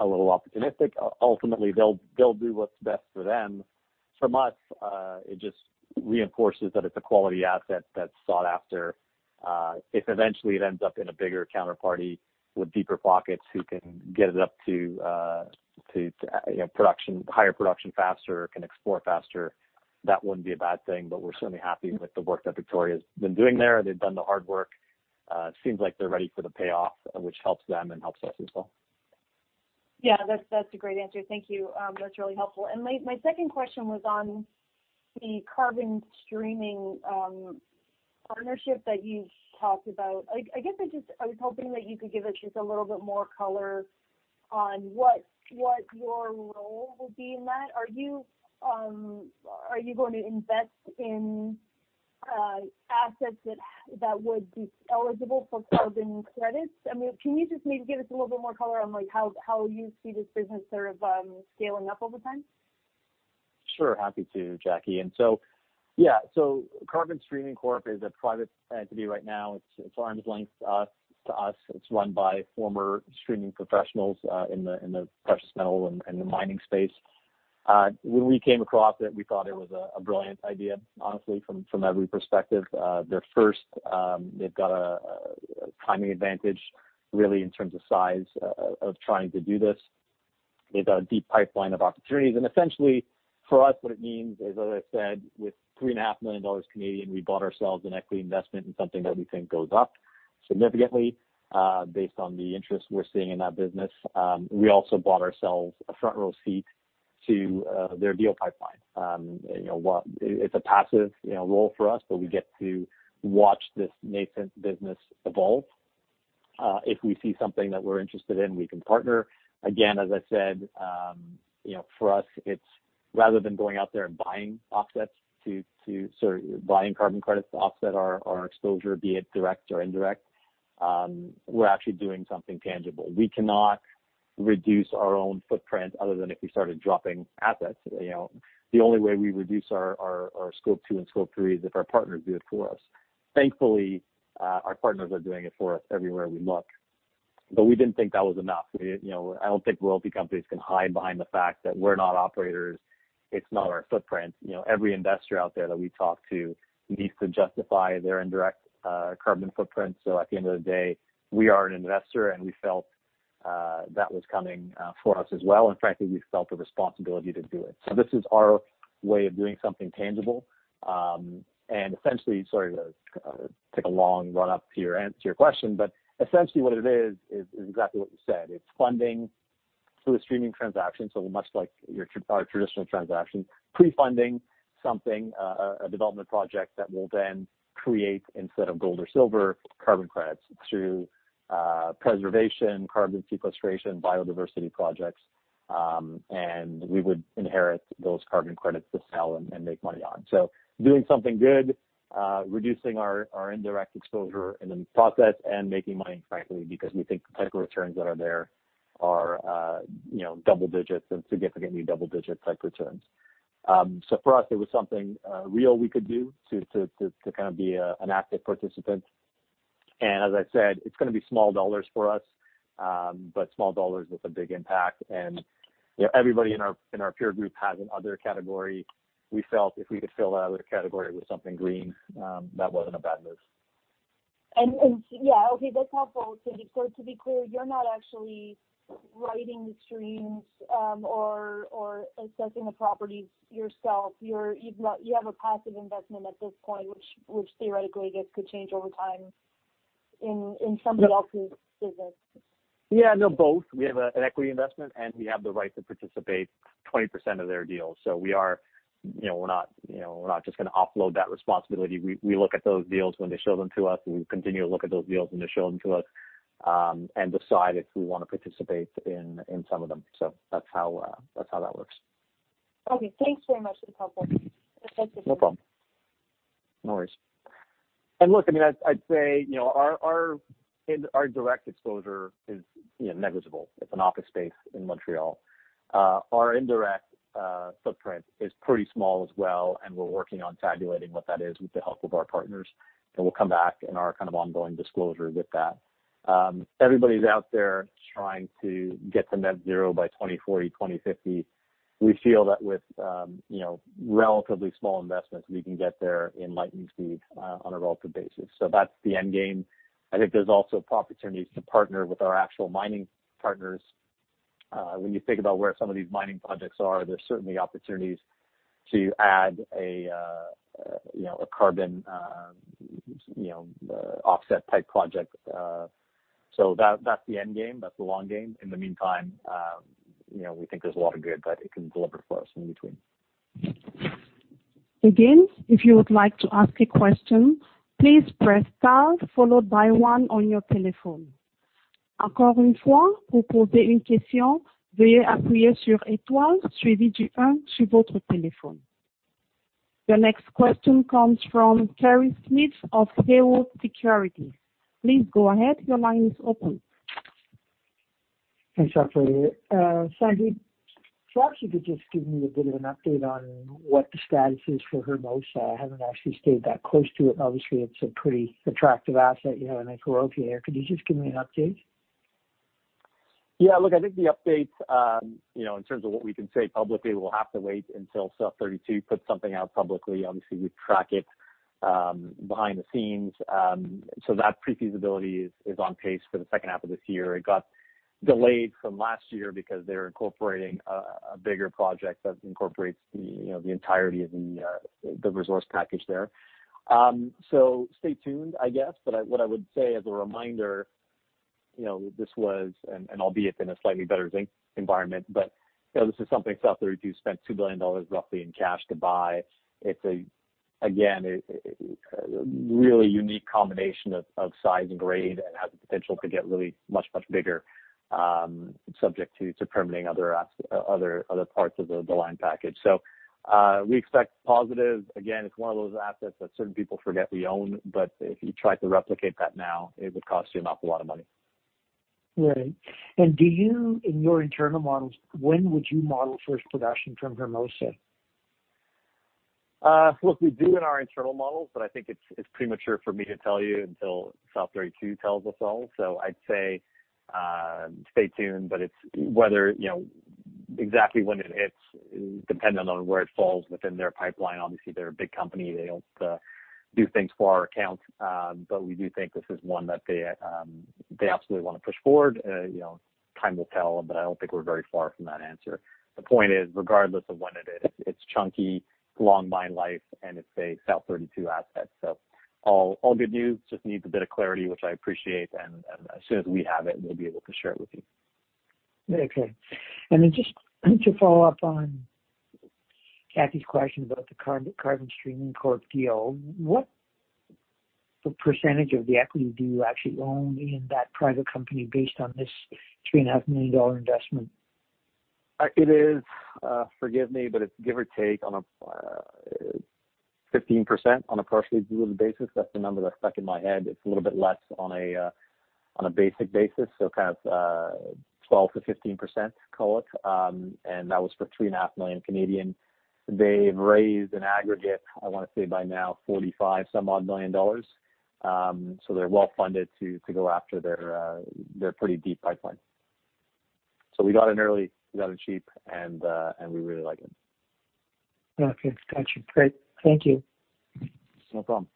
a little opportunistic. Ultimately, they'll do what's best for them. For us, it just reinforces that it's a quality asset that's sought after. If eventually it ends up in a bigger counterparty with deeper pockets who can get it up to higher production faster, can explore faster, that wouldn't be a bad thing. We're certainly happy with the work that Victoria's been doing there. They've done the hard work. It seems like they're ready for the payoff, which helps them and helps us as well. Yeah, that's a great answer, thank you. That's really helpful. My second question was on the carbon streaming partnership that you talked about. I guess I was hoping that you could give us just a little bit more color on what your role will be in that. Are you going to invest in assets that would be eligible for carbon credits? Can you just maybe give us a little bit more color on how you see this business sort of scaling up over time? Sure. Happy to, Jackie. Yeah, Carbon Streaming Corp is a private entity right now. It's arm's length to us. It's run by former streaming professionals in Fresno and the mining space. When we came across it, we thought it was a brilliant idea, honestly, from every perspective. They're first. They've got a timing advantage, really, in terms of size of trying to do this. They've got a deep pipeline of opportunities. Essentially, for us, what it means is, as I said, with 3.5 million Canadian dollars, we bought ourselves an equity investment in something that we think goes up significantly based on the interest we're seeing in that business. We also bought ourselves a front-row seat to their deal pipeline. It's a passive role for us, but we get to watch this nascent business evolve. If we see something that we're interested in, we can partner. As I said, for us, it's rather than going out there and buying carbon credits to offset our exposure, be it direct or indirect, we're actually doing something tangible. We cannot reduce our own footprint other than if we started dropping assets. The only way we reduce our Scope 2 and Scope 3 is if our partners do it for us. Thankfully, our partners are doing it for us everywhere we look. We didn't think that was enough. I don't think royalty companies can hide behind the fact that we're not operators. It's not our footprint. Every investor out there that we talk to needs to justify their indirect carbon footprint. At the end of the day, we are an investor, and we felt that was coming for us as well. Frankly, we felt the responsibility to do it. This is our way of doing something tangible. Essentially, sorry to take a long run up to your answer, your question, essentially what it is exactly what you said. It's funding through a streaming transaction, much like our traditional transaction, pre-funding something, a development project that will then create, instead of gold or silver, carbon credits through preservation, carbon sequestration, biodiversity projects, and we would inherit those carbon credits to sell and make money on. Doing something good, reducing our indirect exposure and then process and making money, frankly, because we think the type of returns that are there are double digits and significantly double-digit type returns. For us, it was something real we could do to be an active participant. As I said, it's going to be small dollars for us, but small dollars with a big impact. Everybody in our peer group has an other category. We felt if we could fill that other category with something green, that wasn't a bad move. Yeah, okay, that's helpful. To be clear, you're not actually writing streams or assessing the properties yourself. You have a passive investment at this point, which theoretically could change over time in some of the opportunities you visit. Yeah, no, both. We have an equity investment, we have the right to participate 20% of their deal. We're not just going to offload that responsibility. We look at those deals when they show them to us. We continue to look at those deals when they show them to us and decide if we want to participate in some of them. That's how that works. Okay, thanks very much for the call. No problem. No worries. Look, I'd say our direct exposure is negligible. It's an office space in Montreal. Our indirect footprint is pretty small as well. We're working on tabulating what that is with the help of our partners. We'll come back in our ongoing disclosure with that. Everybody's out there trying to get to net zero by 2040, 2050. We feel that with relatively small investments, we can get there in lightning speed on a relative basis. That's the end game. I think there's also opportunities to partner with our actual mining partners. When you think about where some of these mining projects are, there's certainly opportunities to add a carbon offset type project. That's the end game. That's the long game. In the meantime, we think there's a lot of good that it can deliver for us in between. Again, if you would like to ask a question, please press star followed by one on your telephone. The next question comes from Kerry Smith of Haywood Securities. Please go ahead. Your line is open. Thanks, operator. Sandeep, if you could just give me a bit of an update on what the status is for Hermosa. I haven't actually stayed that close to it. Obviously, it's a pretty attractive asset you have in the royalty area. Could you just give me an update? Yeah, look, I think the updates, in terms of what we can say publicly, will have to wait until South32 puts something out publicly. Obviously, we track it behind the scenes. That pre-feasibility is on pace for the second half of this year. It got delayed from last year because they're incorporating a bigger project that incorporates the entirety of the resource package there. Stay tuned, I guess. What I would say as a reminder, this was, and albeit in a slightly better environment, but this is something South32 spent 2 billion dollars roughly in cash to buy. It's, again, a really unique combination of size and grade and has the potential to get really much, much bigger, subject to permitting other parts of the land package. We expect positive. Again, it's one of those assets that certain people forget we own, but if you tried to replicate that now, it would cost you an awful lot of money. Right. In your internal models, when would you model first production from Hermosa? Look, we do in our internal models, but I think it's premature for me to tell you until South32 tells us all. I'd say stay tuned, but exactly when it hits, dependent on where it falls within their pipeline. Obviously, they're a big company. They don't do things for our account. We do think this is one that they absolutely want to push forward. Time will tell, but I don't think we're very far from that answer. The point is, regardless of when it is, it's chunky, long mine life, and it's a South32 asset. All good news, just needs a bit of clarity, which I appreciate, and as soon as we have it, we'll be able to share it with you. Okay. Just to follow up on Jackie Przybylowski's question about the Carbon Streaming Corporation deal, what percentage of the equity do you actually own in that private company based on this 3.5 million dollar investment? It is, forgive me, but it's give or take on a 15% on a partially diluted basis. That's the number that's stuck in my head. It's a little bit less on a basic basis, so kind of 12%-15%, call it, and that was for 3.5 million. They've raised an aggregate, I want to say by now, 45 million dollars. They're well funded to go after their pretty deep pipeline. We got in early, we got in cheap, and we really like it. Okay. Got you. Great. Thank you. No problem.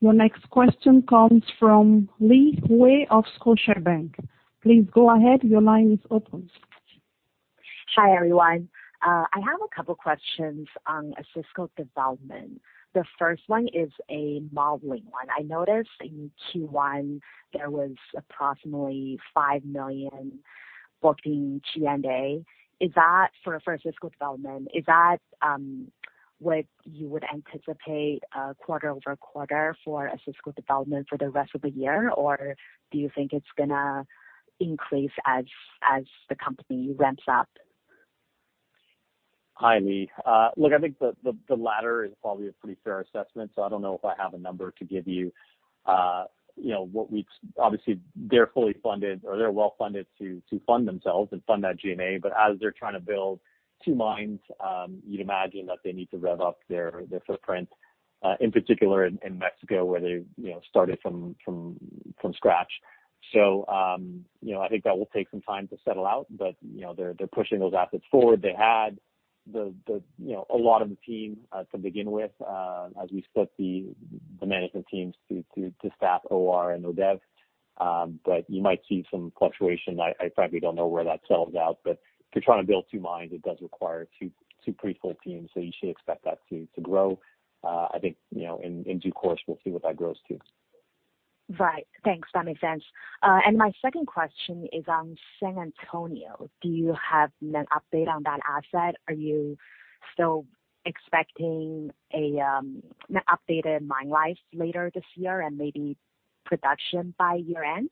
Your next question comes from Lee Hui of Scotiabank. Please go ahead. Your line is open. Hi, everyone. I have a couple questions on Osisko Development. The first one is a modeling one. I noticed in Q1 there was approximately 5 million booking G&A. For Osisko Development, is that what you would anticipate quarter-over-quarter for Osisko Development for the rest of the year, or do you think it's going to increase as the company ramps up? Hi, Lee. I think the latter is probably a pretty fair assessment. I don't know if I have a number to give you. Obviously, they're fully funded, or they're well funded to fund themselves and fund that G&A. As they're trying to build two mines, you'd imagine that they need to rev up their footprint, in particular in Mexico, where they started from scratch. I think that will take some time to settle out. They're pushing those assets forward. They had a lot of the team to begin with, as we split the management teams to staff OR and ODV. You might see some fluctuation. I frankly don't know where that settles out. If you're trying to build two mines, it does require two pretty full teams. You should expect that to grow. I think, in due course, we'll see what that grows to. Right. Thanks. That makes sense. My second question is on San Antonio. Do you have an update on that asset? Are you still expecting an updated mine life later this year and maybe production by year-end?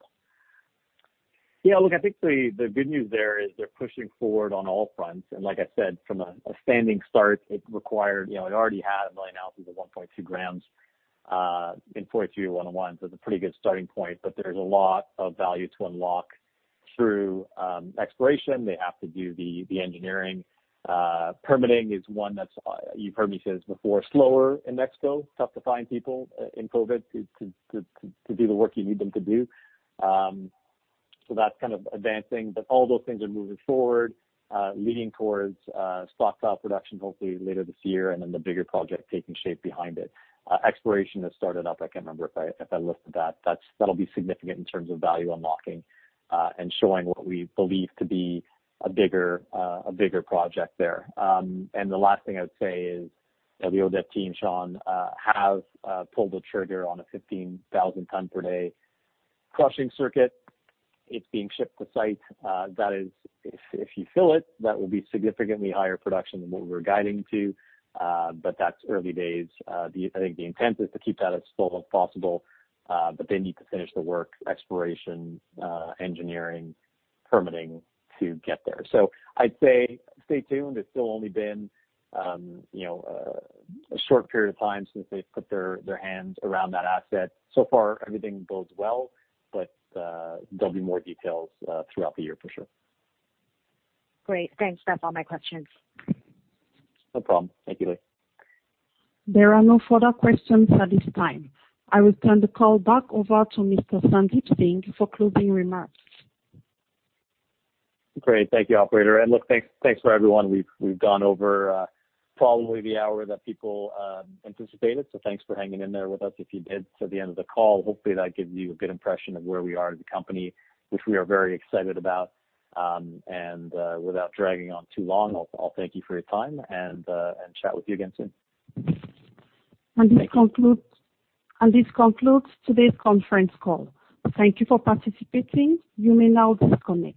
Look, I think the good news there is they're pushing forward on all fronts, like I said, from a standing start, it already had 1 million ounces of 1.2 g/t NI 43-101. It's a pretty good starting point. There's a lot of value to unlock through exploration. They have to do the engineering. Permitting is one that's, you've heard me say this before, slower in Mexico. Tough to find people in COVID to do the work you need them to do. That's kind of advancing, all those things are moving forward, leaning towards stockpile production hopefully later this year, the bigger project taking shape behind it. Exploration has started up. I can't remember if I listed that. That'll be significant in terms of value unlocking and showing what we believe to be a bigger project there. The last thing I would say is the ODV team, Sean, have pulled the trigger on a 15,000 ton per day crushing circuit. It's being shipped to site. That is, if you fill it, that will be significantly higher production than what we're guiding to. That's early days. I think the intent is to keep that as full as possible. They need to finish the work, exploration, engineering, permitting to get there. I'd say stay tuned. It's still only been a short period of time since they've put their hands around that asset. So far, everything bodes well. There'll be more details throughout the year for sure. Great. Thanks. That's all my questions. No problem. Thank you, Lee. There are no further questions at this time. I return the call back over to Mr. Sandeep Singh for closing remarks. Great. Thank you, operator. Look, thanks for everyone. We've gone over probably the hour that people anticipated, thanks for hanging in there with us if you did to the end of the call. Hopefully, that gives you a good impression of where we are as a company, which we are very excited about. Without dragging on too long, I'll thank you for your time and chat with you again soon. This concludes today's conference call. Thank you for participating. You may now disconnect.